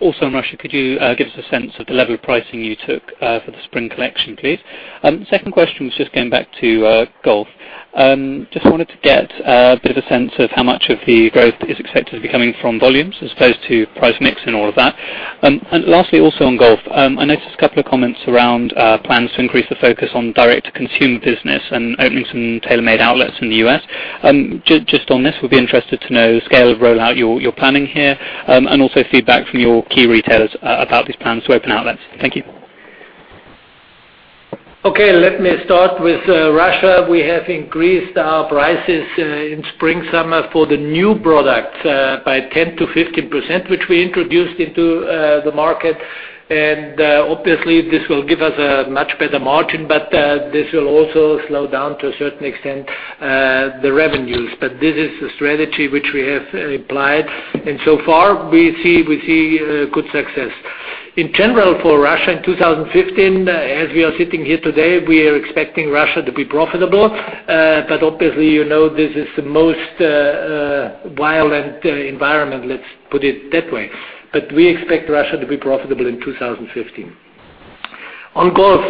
Also on Russia, could you give us a sense of the level of pricing you took for the spring collection, please? Second question was just going back to golf. Just wanted to get a bit of a sense of how much of the growth is expected to be coming from volumes as opposed to price mix and all of that. Lastly, also on golf, I noticed a couple of comments around plans to increase the focus on direct-to-consumer business and opening some TaylorMade outlets in the U.S. Just on this, we'll be interested to know the scale of rollout you're planning here, and also feedback from your key retailers about these plans to open outlets. Thank you. Okay, let me start with Russia. We have increased our prices in spring/summer for the new products by 10%-15%, which we introduced into the market. Obviously, this will give us a much better margin, but this will also slow down, to a certain extent, the revenues. This is the strategy which we have applied, and so far we see good success. In general, for Russia in 2015, as we are sitting here today, we are expecting Russia to be profitable. Obviously, you know this is the most violent environment, let's put it that way. We expect Russia to be profitable in 2015. On golf,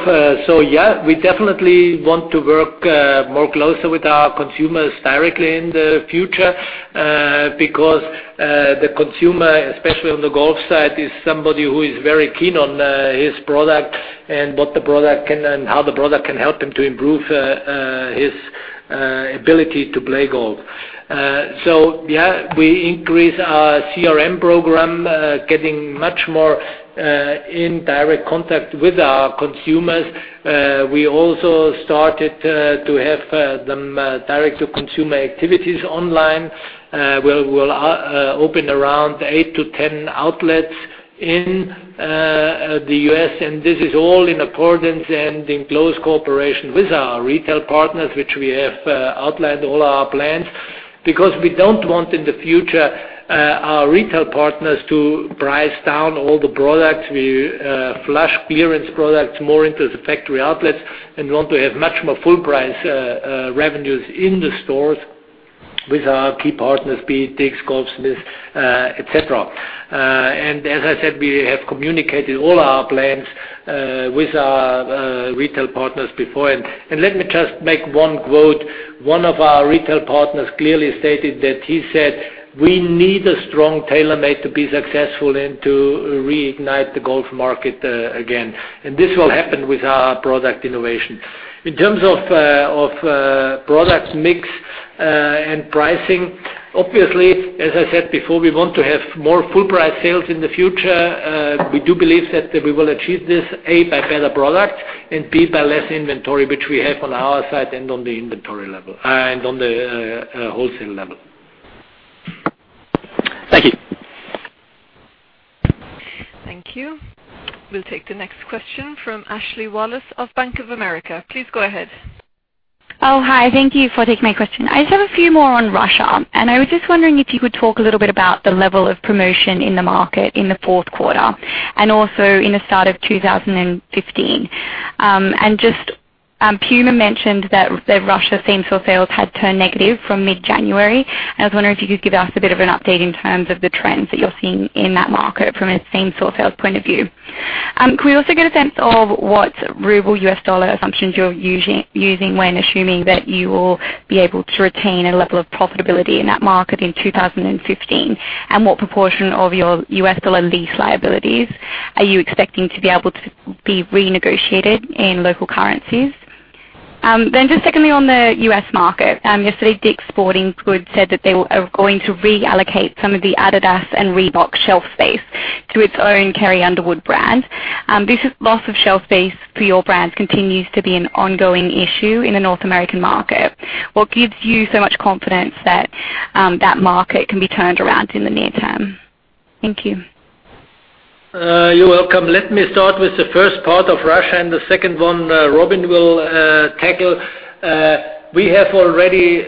yeah, we definitely want to work more closely with our consumers directly in the future. The consumer, especially on the golf side, is somebody who is very keen on his product and how the product can help him to improve his ability to play golf. Yeah, we increase our CRM program, getting much more in direct contact with our consumers. We also started to have them direct-to-consumer activities online, where we'll open around 8 to 10 outlets in the U.S. This is all in accordance and in close cooperation with our retail partners, which we have outlined all our plans. We don't want in the future, our retail partners to price down all the products. We flush clearance products more into the factory outlets and want to have much more full price revenues in the stores with our key partners, be it Dick's, Golfsmith, et cetera. As I said, we have communicated all our plans with our retail partners before. Let me just make one quote. One of our retail partners clearly stated that he said, "We need a strong TaylorMade to be successful and to reignite the golf market again." This will happen with our product innovation. In terms of product mix and pricing, obviously, as I said before, we want to have more full price sales in the future. We do believe that we will achieve this, A, by better product and, B, by less inventory, which we have on our side and on the wholesale level. Thank you. Thank you. We'll take the next question from Ashley Wallace of Bank of America. Please go ahead. Hi. Thank you for taking my question. I just have a few more on Russia. I was just wondering if you could talk a little bit about the level of promotion in the market in the fourth quarter and also in the start of 2015. Puma mentioned that their Russia same-store sales had turned negative from mid-January. I was wondering if you could give us a bit of an update in terms of the trends that you're seeing in that market from a same-store sales point of view. Could we also get a sense of what ruble/US dollar assumptions you're using when assuming that you will be able to retain a level of profitability in that market in 2015? What proportion of your US dollar lease liabilities are you expecting to be able to be renegotiated in local currencies? Just secondly, on the U.S. market. Yesterday, Dick's Sporting Goods said that they are going to reallocate some of the adidas and Reebok shelf space to its own Carrie Underwood brand. This loss of shelf space for your brands continues to be an ongoing issue in the North American market. What gives you so much confidence that that market can be turned around in the near term? Thank you. You're welcome. Let me start with the first part of Russia, and the second one, Robin will tackle. We have already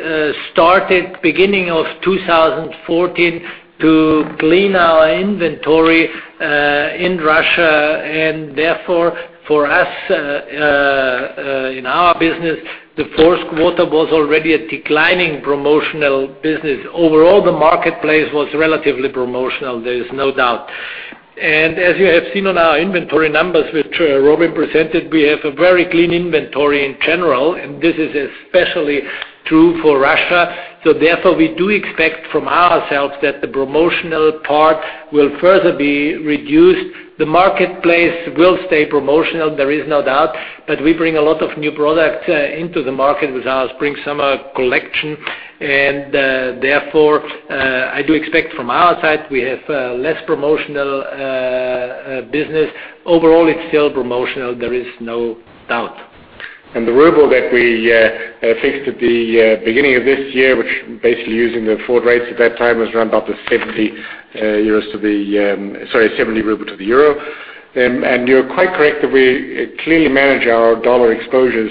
started beginning of 2014 to clean our inventory in Russia. Therefore, for us, in our business, the first quarter was already a declining promotional business. Overall, the marketplace was relatively promotional, there is no doubt. As you have seen on our inventory numbers, which Robin presented, we have a very clean inventory in general, and this is especially true for Russia. Therefore, we do expect from ourselves that the promotional part will further be reduced. The marketplace will stay promotional, there is no doubt, but we bring a lot of new product into the market with our spring/summer collection and therefore, I do expect from our side, we have less promotional business. Overall, it's still promotional, there is no doubt. The ruble that we fixed at the beginning of this year, which basically using the forward rates at that time was around about 70 ruble to the EUR. You're quite correct that we clearly manage our U.S. dollar exposures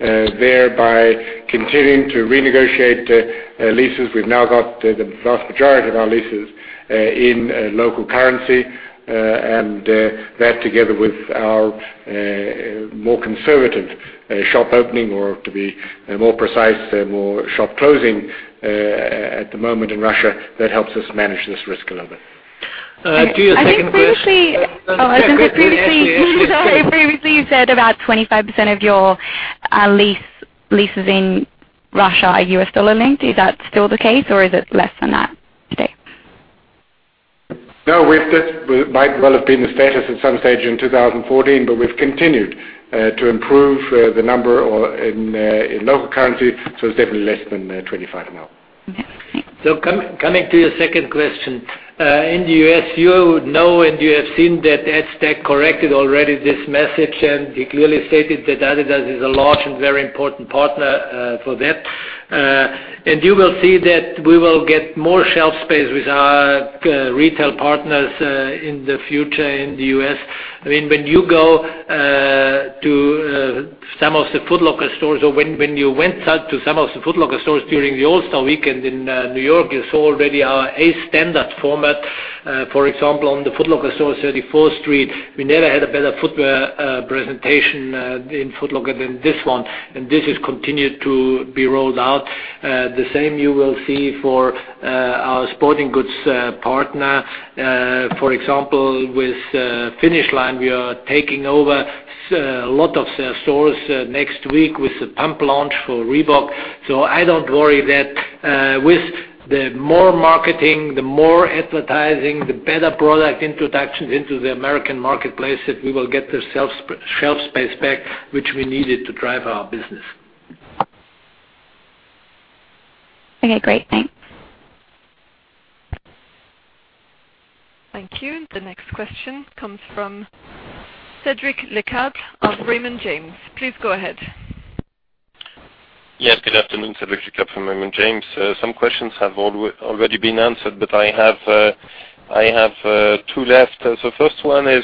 there by continuing to renegotiate leases. We've now got the vast majority of our leases in local currency, and that together with our more conservative shop opening, or to be more precise, more shop closing at the moment in Russia, that helps us manage this risk a little bit. To your second question. I think previously Oh, go ahead. I think previously you said about 25% of your leases in Russia are U.S. dollar-linked. Is that still the case, or is it less than that today? No, that might well have been the status at some stage in 2014, but we've continued to improve the number in local currency, so it's definitely less than 25 now. Okay, thanks. Coming to your second question. In the U.S., you know, you have seen that Dick's corrected already this message, and he clearly stated that adidas is a large and very important partner for them. You will see that we will get more shelf space with our retail partners in the future in the U.S. When you go to some of the Foot Locker stores or when you went out to some of the Foot Locker stores during the All-Star weekend in New York, you saw already our A-Standard format. For example, on the Foot Locker store at 34th Street, we never had a better footwear presentation in Foot Locker than this one, and this has continued to be rolled out. The same you will see for our sporting goods partner. For example, with Finish Line, we are taking over a lot of their stores next week with the Pump launch for Reebok. I don't worry that with the more marketing, the more advertising, the better product introductions into the American marketplace, that we will get the shelf space back, which we needed to drive our business. Okay, great. Thanks. Thank you. The next question comes from Cédric Lecasble of Raymond James. Please go ahead. Yes, good afternoon. Cédric Lecasble from Raymond James. Some questions have already been answered, but I have two left. The first one is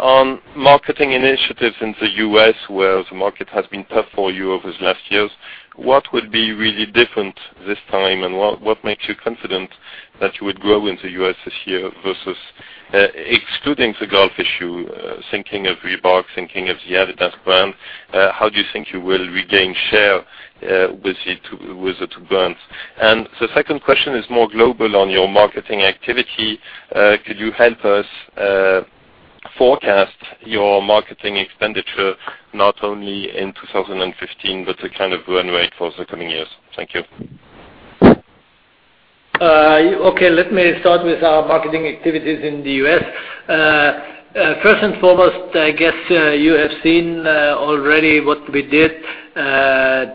on marketing initiatives in the U.S., where the market has been tough for you over the last years. What would be really different this time, and what makes you confident that you would grow in the U.S. this year versus-- Excluding the golf issue, thinking of Reebok, thinking of the adidas brand, how do you think you will regain share with the two brands? The second question is more global on your marketing activity. Could you help us forecast your marketing expenditure not only in 2015, but the kind of run rate for the coming years? Thank you. Okay, let me start with our marketing activities in the U.S. First and foremost, I guess you have seen already what we did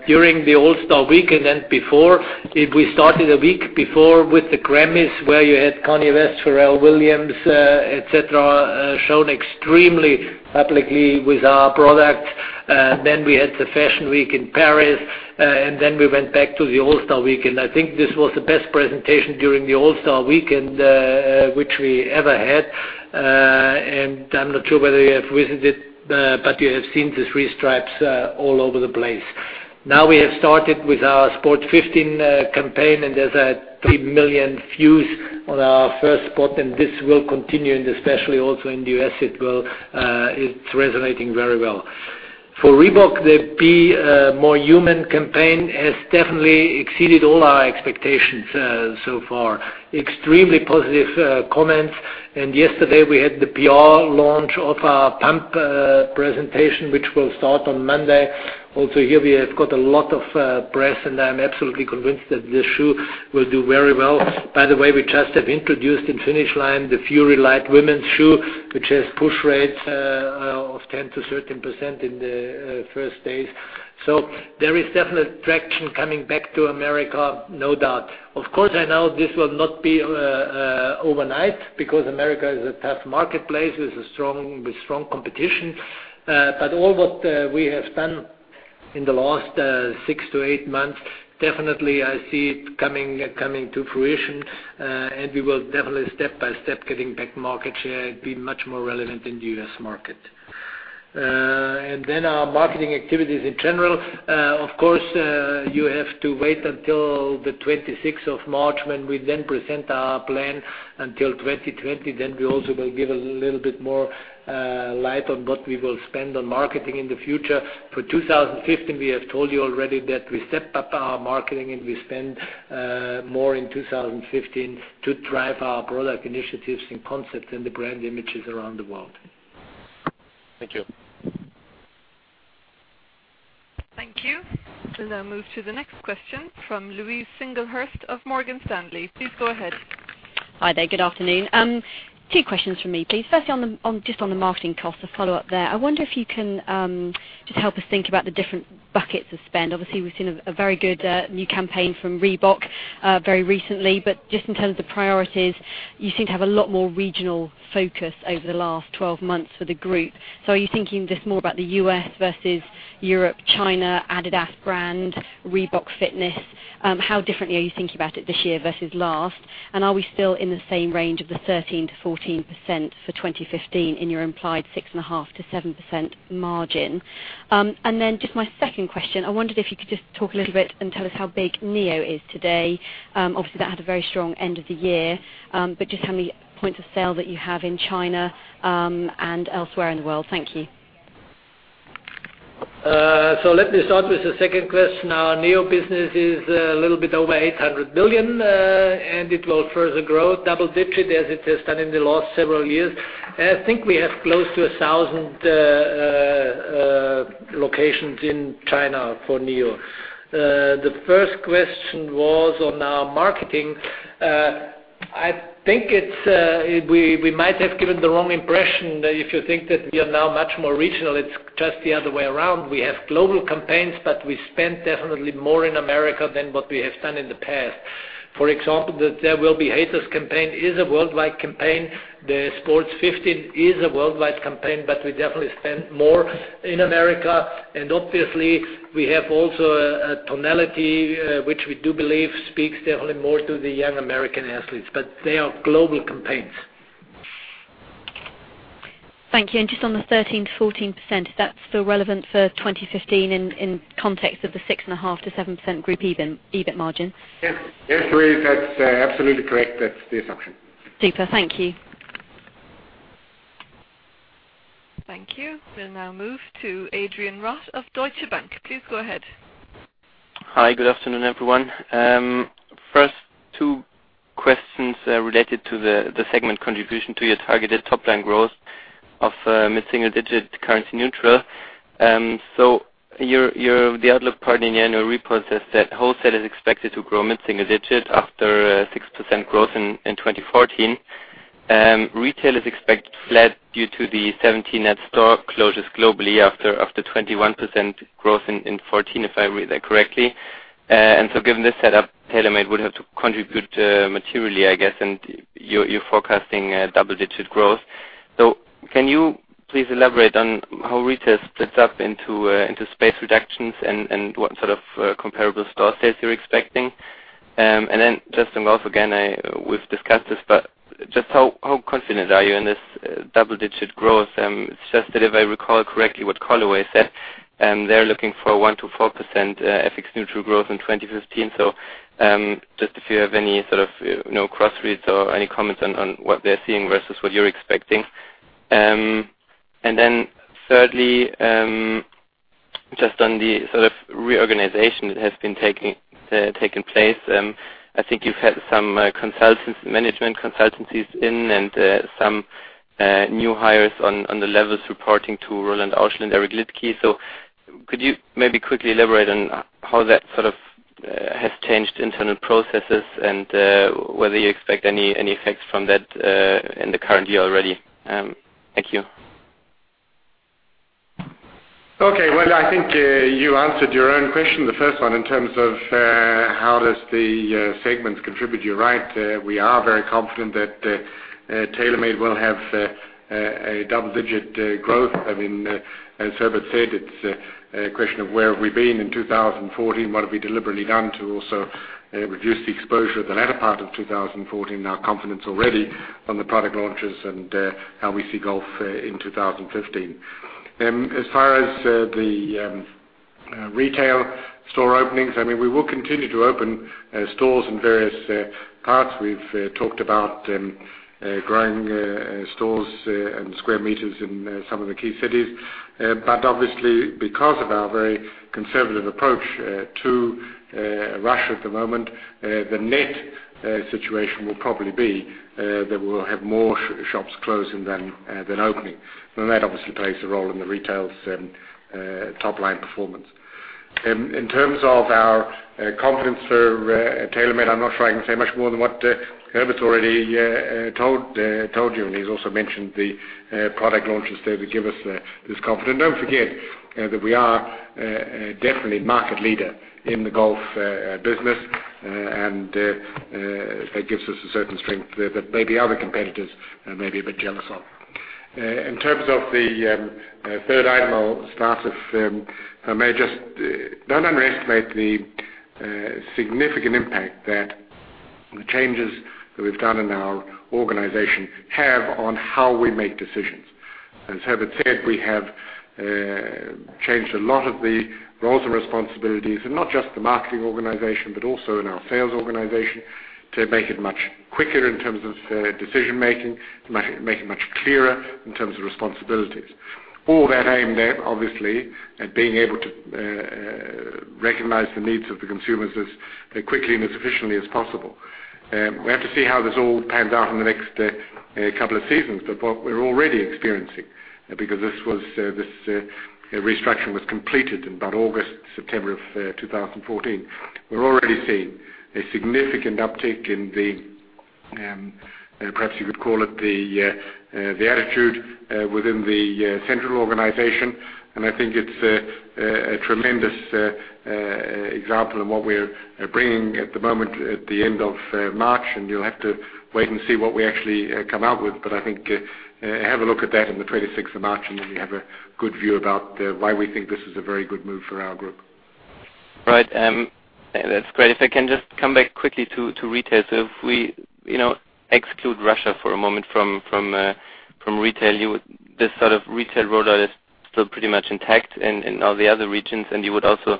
during the All-Star weekend and before. We started a week before with the Grammys, where you had Kanye West, Pharrell Williams, et cetera, shown extremely publicly with our product. We had the Fashion Week in Paris, we went back to the All-Star weekend. I think this was the best presentation during the All-Star weekend which we ever had. I'm not sure whether you have visited, but you have seen the three stripes all over the place. Now we have started with our Sport 15 campaign, there's 3 million views on our first spot, this will continue. Especially also in the U.S., it's resonating very well. For Reebok, the Be More Human campaign has definitely exceeded all our expectations so far. Extremely positive comments. Yesterday we had the PR launch of our Pump presentation, which will start on Monday. Also here we have got a lot of press, I'm absolutely convinced that this shoe will do very well. By the way, we just have introduced in Finish Line, the Furylite women's shoe, which has push rates of 10%-13% in the first days. There is definitely traction coming back to America, no doubt. Of course, I know this will not be overnight because America is a tough marketplace with strong competition. All what we have done in the last six to eight months, definitely I see it coming to fruition. We will definitely step by step getting back market share and be much more relevant in the U.S. market. Our marketing activities in general. Of course, you have to wait until the 26th of March when we then present our plan until 2020. We also will give a little bit more light on what we will spend on marketing in the future. For 2015, we have told you already that we step up our marketing. We spend more in 2015 to drive our product initiatives and concepts and the brand images around the world. Thank you. Thank you. We'll now move to the next question from Louise Singlehurst of Morgan Stanley. Please go ahead. Hi there. Good afternoon. Two questions from me, please. Firstly, just on the marketing cost to follow up there. I wonder if you can just help us think about the different buckets of spend. Obviously, we've seen a very good new campaign from Reebok very recently. Just in terms of priorities, you seem to have a lot more regional focus over the last 12 months for the group. Are you thinking just more about the U.S. versus Europe, China, adidas brand, Reebok fitness? How differently are you thinking about it this year versus last? Are we still in the same range of the 13%-14% for 2015 in your implied 6.5%-7% margin? Just my second question, I wondered if you could just talk a little bit and tell us how big NEO is today. That had a very strong end of the year. Just how many points of sale that you have in China and elsewhere in the world? Thank you. Let me start with the second question. Our NEO business is a little bit over 800 million, and it will further grow double digits as it has done in the last several years. I think we have close to 1,000 locations in China for NEO. The first question was on our marketing. I think we might have given the wrong impression. If you think that we are now much more regional, it's just the other way around. We have global campaigns, but we spend definitely more in the U.S. than what we have done in the past. For example, the There Will Be Haters campaign is a worldwide campaign. The Sport 15 is a worldwide campaign, but we definitely spend more in the U.S. Obviously we have also a tonality which we do believe speaks definitely more to the young U.S. athletes. They are global campaigns. Thank you. Just on the 13%-14%, is that still relevant for 2015 in context of the 6.5%-7% group EBIT margin? Yes, Louise, that's absolutely correct. That's the assumption. Super. Thank you. Thank you. We'll now move to Adrian Rott of Deutsche Bank. Please go ahead. Hi. Good afternoon, everyone. First, two questions related to the segment contribution to your targeted top line growth of mid-single digit currency neutral. The outlook part in the annual report says that wholesale is expected to grow mid-single digit after 6% growth in 2014. Retail is expected flat due to the 17 net store closures globally after 21% growth in 2014, if I read that correctly. Given this set up, TaylorMade would have to contribute materially, I guess, and you're forecasting double-digit growth. Can you please elaborate on how retail splits up into space reductions and what sort of comparable store sales you're expecting? Just on golf, again, we've discussed this, but just how confident are you in this double-digit growth? It's just that if I recall correctly what Callaway said, they're looking for 1%-4% FX neutral growth in 2015. Just if you have any sort of cross reads or any comments on what they're seeing versus what you're expecting. Thirdly, just on the sort of reorganization that has been taking place. I think you've had some management consultancies in and some new hires on the levels reporting to Roland Auschel and Eric Liedtke. Could you maybe quickly elaborate on how that sort of has changed internal processes and whether you expect any effects from that in the current year already? Thank you. Okay. Well, I think you answered your own question, the first one, in terms of how does the segments contribute. You're right. We are very confident that TaylorMade will have a double-digit growth. I mean, as Herbert said, it's a question of where have we been in 2014, what have we deliberately done to also reduce the exposure at the latter part of 2014, now confidence already on the product launches and how we see golf in 2015. As far as the Retail store openings. We will continue to open stores in various parts. We've talked about growing stores and square meters in some of the key cities. Obviously, because of our very conservative approach to Russia at the moment, the net situation will probably be that we'll have more shops closing than opening. That obviously plays a role in the retail's top-line performance. In terms of our confidence for TaylorMade, I'm not sure I can say much more than what Herbert's already told you. He's also mentioned the product launches there that give us this confidence. Don't forget that we are definitely market leader in the golf business. That gives us a certain strength that maybe other competitors may be a bit jealous of. In terms of the third item, I'll start with, don't underestimate the significant impact that the changes that we've done in our organization have on how we make decisions. As Herbert said, we have changed a lot of the roles and responsibilities. Not just the marketing organization, also in our sales organization to make it much quicker in terms of decision-making, to make it much clearer in terms of responsibilities. All that aimed at, obviously, at being able to recognize the needs of the consumers as quickly and as efficiently as possible. We have to see how this all pans out in the next couple of seasons. What we're already experiencing, because this restructure was completed in about August, September of 2014. We're already seeing a significant uptick in the, perhaps you could call it the attitude within the central organization. I think it's a tremendous example of what we're bringing at the moment at the end of March. You'll have to wait and see what we actually come out with. I think, have a look at that on the 26th of March. Then you have a good view about why we think this is a very good move for our group. Right. That's great. If I can just come back quickly to retail. If we exclude Russia for a moment from retail, this sort of retail rollout is still pretty much intact in all the other regions. You would also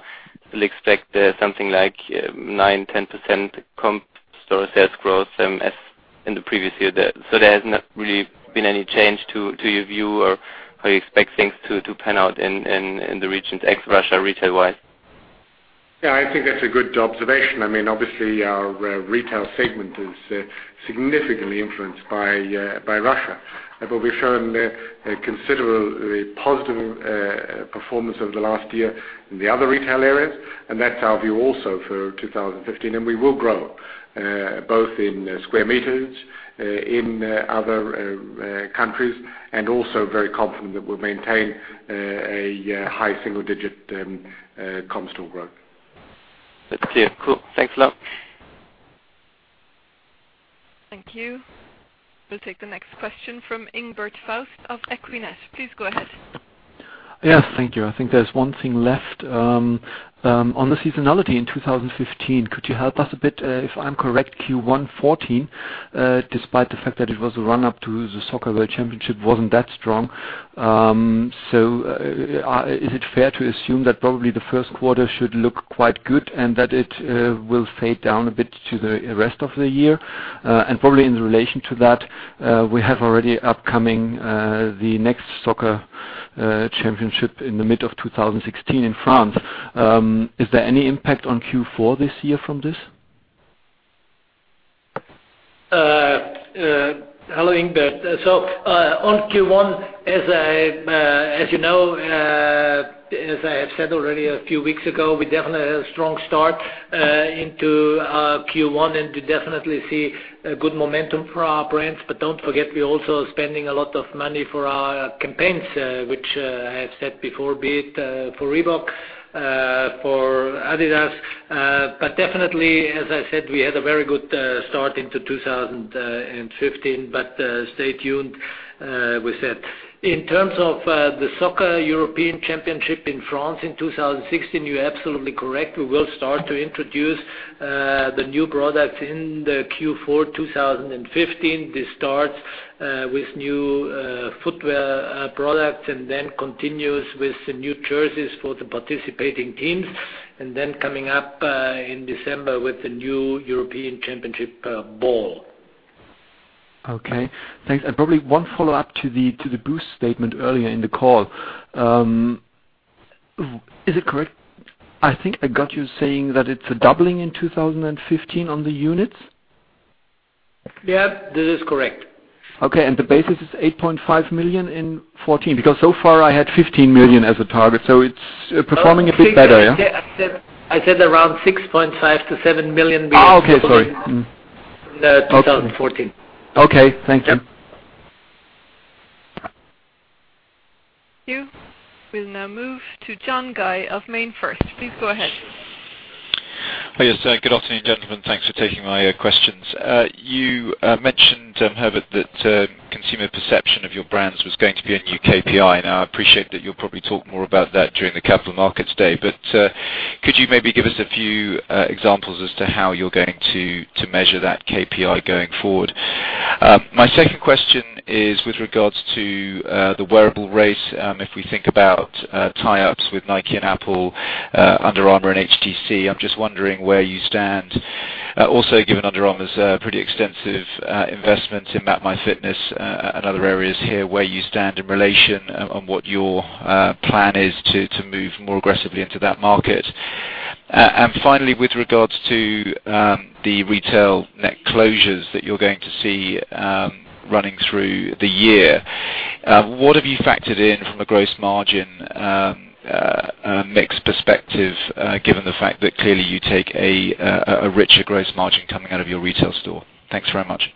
still expect something like 9%-10% comp store sales growth as in the previous year. There has not really been any change to your view, or how you expect things to pan out in the region ex-Russia, retail-wise? I think that's a good observation. Obviously, our retail segment is significantly influenced by Russia. We've shown considerable positive performance over the last year in the other retail areas, and that's our view also for 2015, and we will grow. Both in sq m, in other countries, and also very confident that we'll maintain a high single-digit comp store growth. That's clear. Cool. Thanks a lot. Thank you. We'll take the next question from Ingbert Faust of Equinet. Please go ahead. Thank you. I think there's one thing left. On the seasonality in 2015, could you help us a bit? If I'm correct, Q1 2014, despite the fact that it was a run-up to the Soccer World Championship, wasn't that strong. Is it fair to assume that probably the first quarter should look quite good and that it will fade down a bit to the rest of the year? Probably in relation to that, we have already upcoming the next Soccer Championship in the middle of 2016 in France. Is there any impact on Q4 this year from this? Hello, Ingbert. On Q1, as you know, as I have said already a few weeks ago, we definitely had a strong start into Q1, and we definitely see a good momentum for our brands. Don't forget, we're also spending a lot of money for our campaigns, which I have said before, be it for Reebok, for adidas. Definitely, as I said, we had a very good start into 2015. Stay tuned with that. In terms of the soccer European Championship in France in 2016, you're absolutely correct. We will start to introduce the new products in the Q4 2015. This starts with new footwear products and then continues with the new jerseys for the participating teams, and then coming up in December with the new European Championship ball. Okay. Thanks. Probably one follow-up to the Boost statement earlier in the call. Is it correct, I think I got you saying that it's a doubling in 2015 on the units? This is correct. Okay. The basis is 8.5 million in 2014? Because so far I had 15 million as a target, so it's performing a bit better, yeah? I said around 6.5 million to 7 million units. Okay, sorry. in 2014. Okay. Thank you. Yep. Thank you. We'll now move to John Guy of MainFirst. Please go ahead. Yes. Good afternoon, gentlemen. Thanks for taking my questions. You mentioned, Herbert, that consumer perception of your brands was going to be a new KPI. I appreciate that you'll probably talk more about that during the capital markets day. Could you maybe give us a few examples as to how you're going to measure that KPI going forward? My second question is with regards to the wearable race. If we think about tie-ups with Nike and Apple, Under Armour and HTC, I'm just wondering where you stand. Also, given Under Armour's pretty extensive investment in MapMyFitness and other areas here, where you stand in relation on what your plan is to move more aggressively into that market. Finally, with regards to the retail net closures that you're going to see running through the year, what have you factored in from a gross margin mix perspective, given the fact that clearly you take a richer gross margin coming out of your retail store? Thanks very much.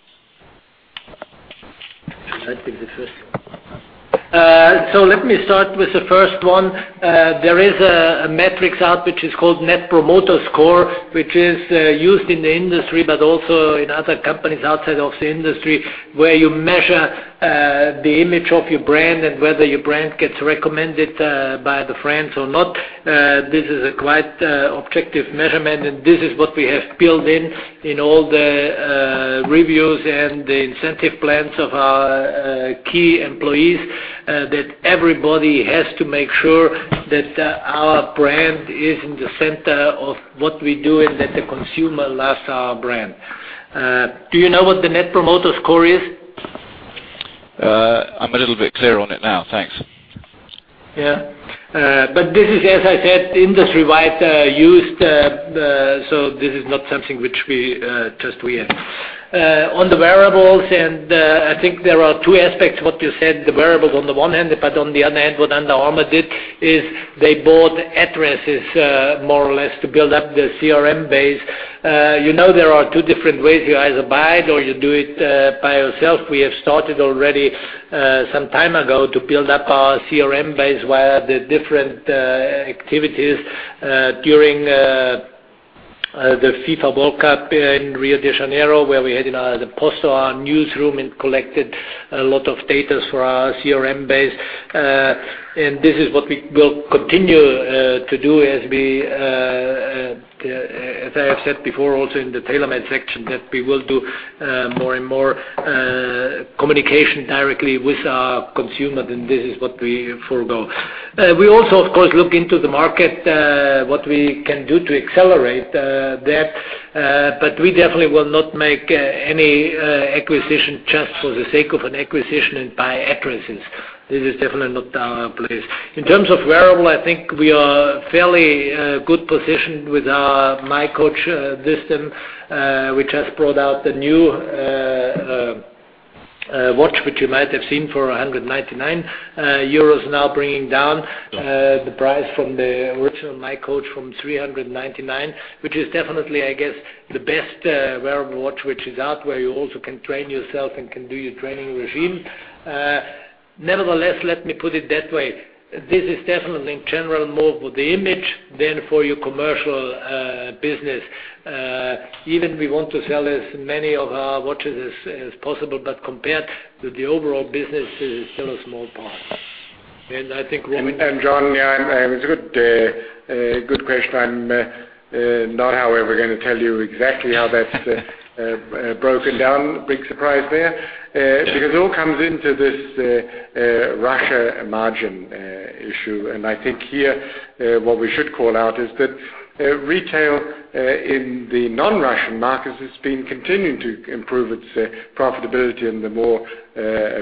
I take the first one. Let me start with the first one. There is a metrics out which is called Net Promoter Score, which is used in the industry, but also in other companies outside of the industry, where you measure the image of your brand and whether your brand gets recommended by their friends or not. This is a quite objective measurement, and this is what we have built in all the reviews and the incentive plans of our key employees. That everybody has to make sure that our brand is in the center of what we do, and that the consumer loves our brand. Do you know what the Net Promoter Score is? I'm a little bit clearer on it now. Thanks. This is, as I said, industry-wide used, this is not something which just we have. On the wearables, I think there are two aspects what you said. The wearables on the one hand, on the other hand, what Under Armour did is they bought addresses, more or less, to build up their CRM base. You know, there are two different ways. You either buy it or you do it by yourself. We have started already some time ago to build up our CRM base via the different activities during the FIFA World Cup in Rio de Janeiro, where we had in the post our newsroom and collected a lot of data for our CRM base. This is what we will continue to do as I have said before also in the TaylorMade section, that we will do more and more communication directly with our consumer, this is what we forego. We also, of course, look into the market, what we can do to accelerate that. We definitely will not make any acquisition just for the sake of an acquisition and buy addresses. This is definitely not our place. In terms of wearable, I think we are fairly good positioned with our miCoach system, which has brought out the new watch, which you might have seen for 199 euros now, bringing down the price from the original miCoach from 399. Which is definitely, I guess, the best wearable watch which is out, where you also can train yourself and can do your training regime. Nevertheless, let me put it that way. This is definitely in general more for the image than for your commercial business. Even we want to sell as many of our watches as possible, compared to the overall business, it is still a small part. I think Robin John, yeah, it's a good question. I'm not, however, going to tell you exactly how that's broken down. Big surprise there. Yeah. It all comes into this Russia margin issue, and I think here, what we should call out is that retail in the non-Russian markets has been continuing to improve its profitability and the more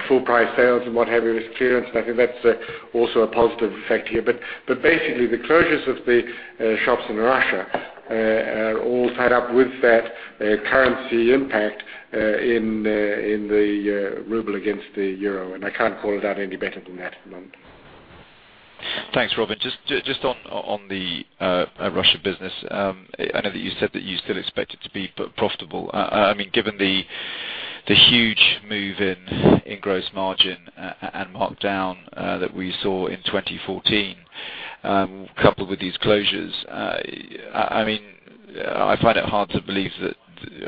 full price sales and what have you, as clearance. I think that's also a positive effect here. Basically, the closures of the shops in Russia are all tied up with that currency impact in the ruble against the euro, and I can't call it out any better than that at the moment. Thanks, Robin. Just on the Russia business. I know that you said that you still expect it to be profitable. Given the huge move in gross margin and markdown that we saw in 2014, coupled with these closures, I find it hard to believe that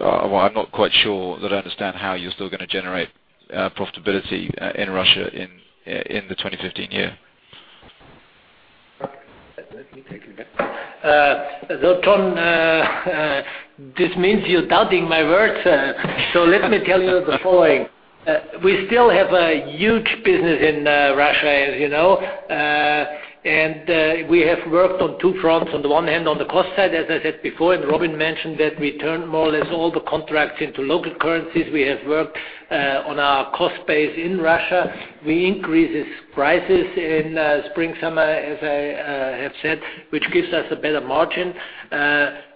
I'm not quite sure that I understand how you're still going to generate profitability in Russia in the 2015 year. Let me take it. John this means you're doubting my words. Let me tell you the following. We still have a huge business in Russia, as you know. We have worked on two fronts. On the one hand, on the cost side, as I said before, and Robin mentioned, that we turned more or less all the contracts into local currencies. We have worked on our cost base in Russia. We increases prices in spring, summer, as I have said, which gives us a better margin.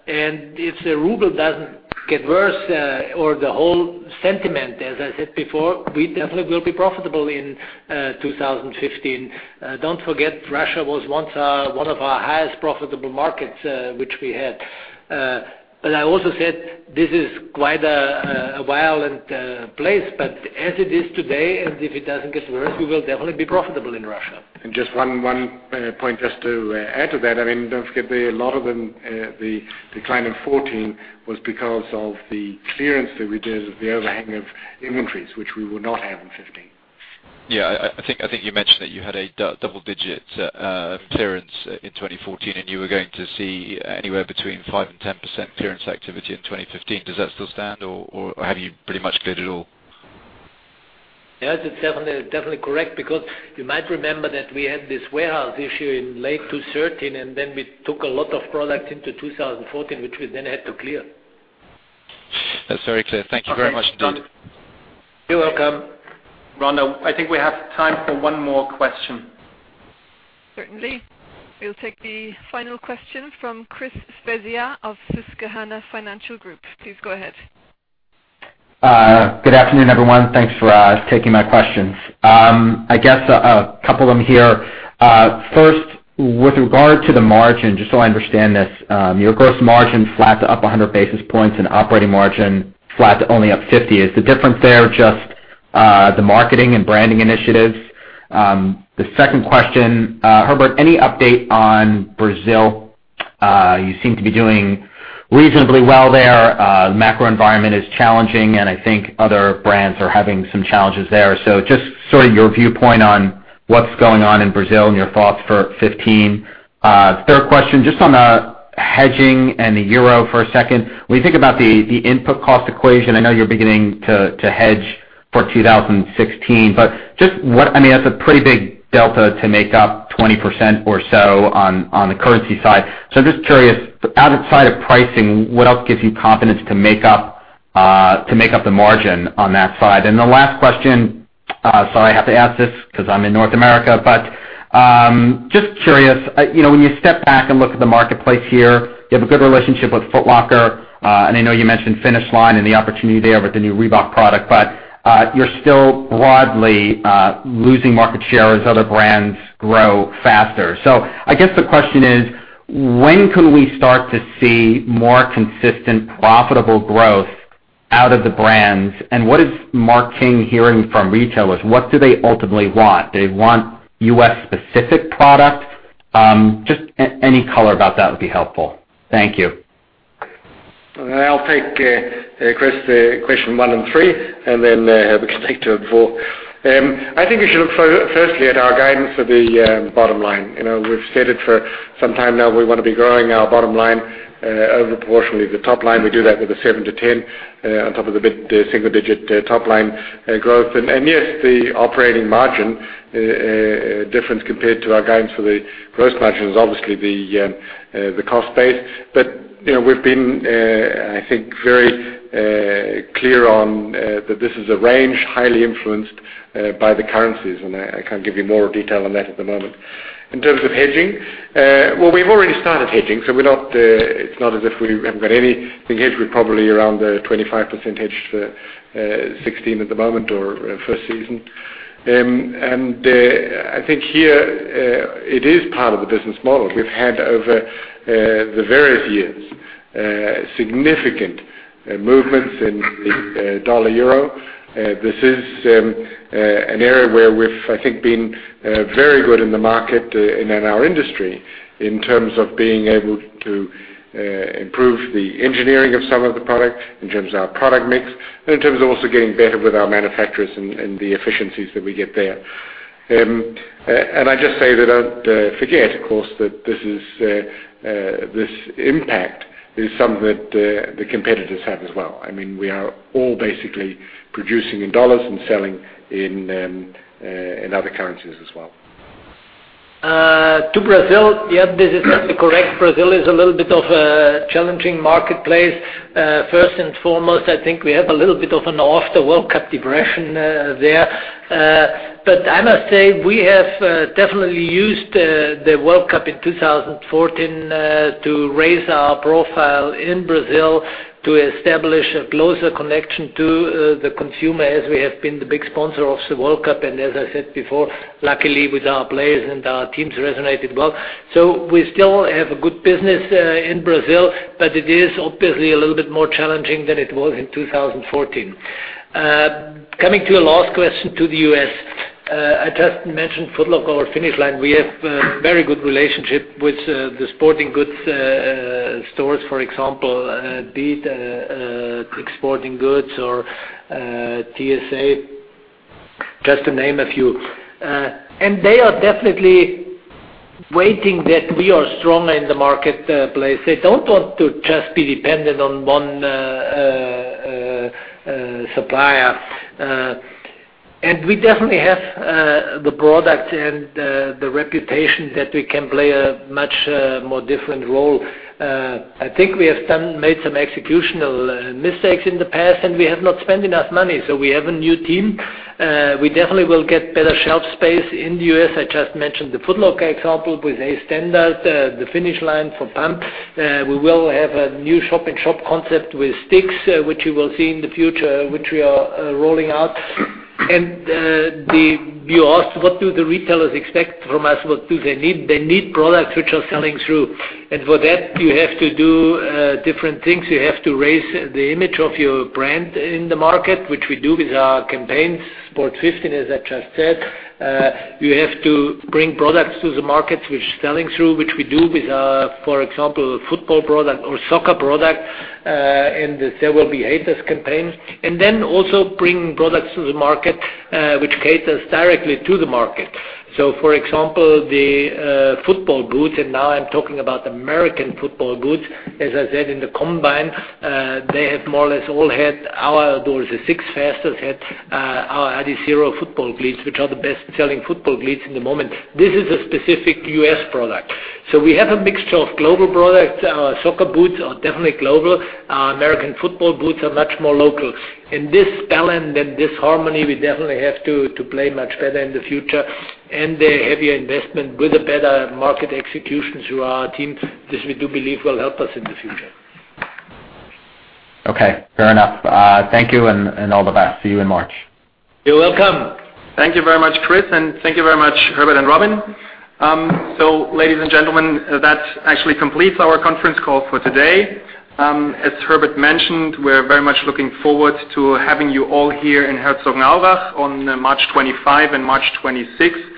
If the ruble doesn't get worse or the whole sentiment, as I said before, we definitely will be profitable in 2015. Don't forget, Russia was once one of our highest profitable markets which we had. I also said this is quite a violent place, but as it is today, and if it doesn't get worse, we will definitely be profitable in Russia. Just one point just to add to that. Don't forget, a lot of the decline in 2014 was because of the clearance that we did of the overhang of inventories, which we will not have in 2015. I think you mentioned that you had a double-digit clearance in 2014, and you were going to see anywhere between 5% and 10% clearance activity in 2015. Does that still stand, or have you pretty much cleared it all? It's definitely correct because you might remember that we had this warehouse issue in late 2013, and then we took a lot of product into 2014, which we then had to clear. That's very clear. Thank you very much. You're welcome. Rhonda, I think we have time for one more question. Certainly. We'll take the final question from Christopher Svezia of Susquehanna Financial Group. Please go ahead. Good afternoon, everyone. Thanks for taking my questions. I guess a couple of them here. First, with regard to the margin, just so I understand this, your gross margin flat to up 100 basis points and operating margin flat to only up 50. Is the difference there just the marketing and branding initiatives? The second question, Herbert, any update on Brazil? You seem to be doing reasonably well there. Macro environment is challenging, and I think other brands are having some challenges there. Just sort of your viewpoint on what's going on in Brazil and your thoughts for 2015. Third question, just on the hedging and the euro for a second. When you think about the input cost equation, I know you're beginning to hedge for 2016. That's a pretty big delta to make up 20% or so on the currency side. Just curious, outside of pricing, what else gives you confidence to make up the margin on that side? The last question, sorry, I have to ask this because I'm in North America, but just curious, when you step back and look at the marketplace here, you have a good relationship with Foot Locker. I know you mentioned Finish Line and the opportunity there with the new Reebok product, but you're still broadly losing market share as other brands grow faster. I guess the question is, when can we start to see more consistent, profitable growth out of the brands? What is Mark King hearing from retailers? What do they ultimately want? They want U.S.-specific product? Just any color about that would be helpful. Thank you. I'll take, Chris, question one and three, and then we can take two and four. I think we should look firstly at our guidance for the bottom line. We've said it for some time now, we want to be growing our bottom line over proportionally the top line. We do that with a 7%-10% on top of the single-digit top-line growth. Yes, the operating margin difference compared to our guidance for the gross margin is obviously the cost base. We've been, I think, very clear on that this is a range highly influenced by the currencies, and I can't give you more detail on that at the moment. In terms of hedging, well, we've already started hedging, so it's not as if we haven't got anything hedged. We're probably around the 25% hedged for 2016 at the moment or first season. I think here it is part of the business model. We've had over the various years, significant movements in the U.S. dollar/euro. This is an area where we've, I think, been very good in the market and in our industry in terms of being able to improve the engineering of some of the product, in terms of our product mix, and in terms of also getting better with our manufacturers and the efficiencies that we get there. I just say that don't forget, of course, that this impact is something that the competitors have as well. We are all basically producing in U.S. dollars and selling in other currencies as well. To Brazil. Yeah, this is definitely correct. Brazil is a little bit of a challenging marketplace. First and foremost, I think we have a little bit of an after World Cup depression there. I must say, we have definitely used the World Cup in 2014 to raise our profile in Brazil to establish a closer connection to the consumer as we have been the big sponsor of the World Cup. As I said before, luckily with our players and our teams resonated well. We still have a good business in Brazil, but it is obviously a little bit more challenging than it was in 2014. Coming to your last question to the U.S., I just mentioned Foot Locker or Finish Line. We have a very good relationship with the sporting goods stores, for example, Big 5 Sporting Goods or The Sports Authority, just to name a few. They are definitely waiting that we are stronger in the marketplace. They don't want to just be dependent on one supplier. We definitely have the product and the reputation that we can play a much more different role. I think we have made some executional mistakes in the past, and we have not spent enough money. We have a new team. We definitely will get better shelf space in the U.S. I just mentioned the Foot Locker example with The A Standard, the Finish Line for Pump. We will have a new shop-in-shop concept with Dick's, which you will see in the future, which we are rolling out. You asked, what do the retailers expect from us? What do they need? They need products which are selling through. For that, you have to do different things. You have to raise the image of your brand in the market, which we do with our campaigns, Sport 15, as I just said. You have to bring products to the market which selling through, which we do with, for example, football product or soccer product, There Will Be Haters campaigns. Then also bring products to the market which caters directly to the market. For example, the football boots, and now I'm talking about American football boots. As I said in the NFL Scouting Combine, they have more or less all had our adidas. The six fastest had our Adizero football cleats, which are the best-selling football cleats at the moment. This is a specific U.S. product. We have a mixture of global products. Our soccer boots are definitely global. Our American football boots are much more local. In this balance and this harmony, we definitely have to play much better in the future. The heavier investment with a better market execution through our team, this we do believe will help us in the future. Okay. Fair enough. Thank you, and all the best. See you in March. You're welcome. Thank you very much, Chris, and thank you very much, Herbert and Robin. Ladies and gentlemen, that actually completes our conference call for today. As Herbert mentioned, we're very much looking forward to having you all here in Herzogenaurach on March 25 and March 26 for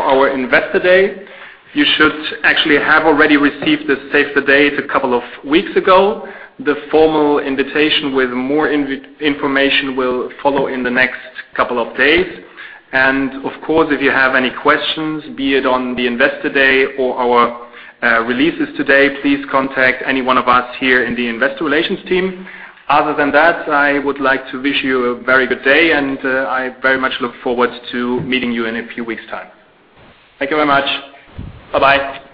our Investor Day. You should actually have already received the save the date a couple of weeks ago. The formal invitation with more information will follow in the next couple of days. Of course, if you have any questions, be it on the Investor Day or our releases today, please contact any one of us here in the investor relations team. Other than that, I would like to wish you a very good day, and I very much look forward to meeting you in a few weeks' time. Thank you very much. Bye-bye.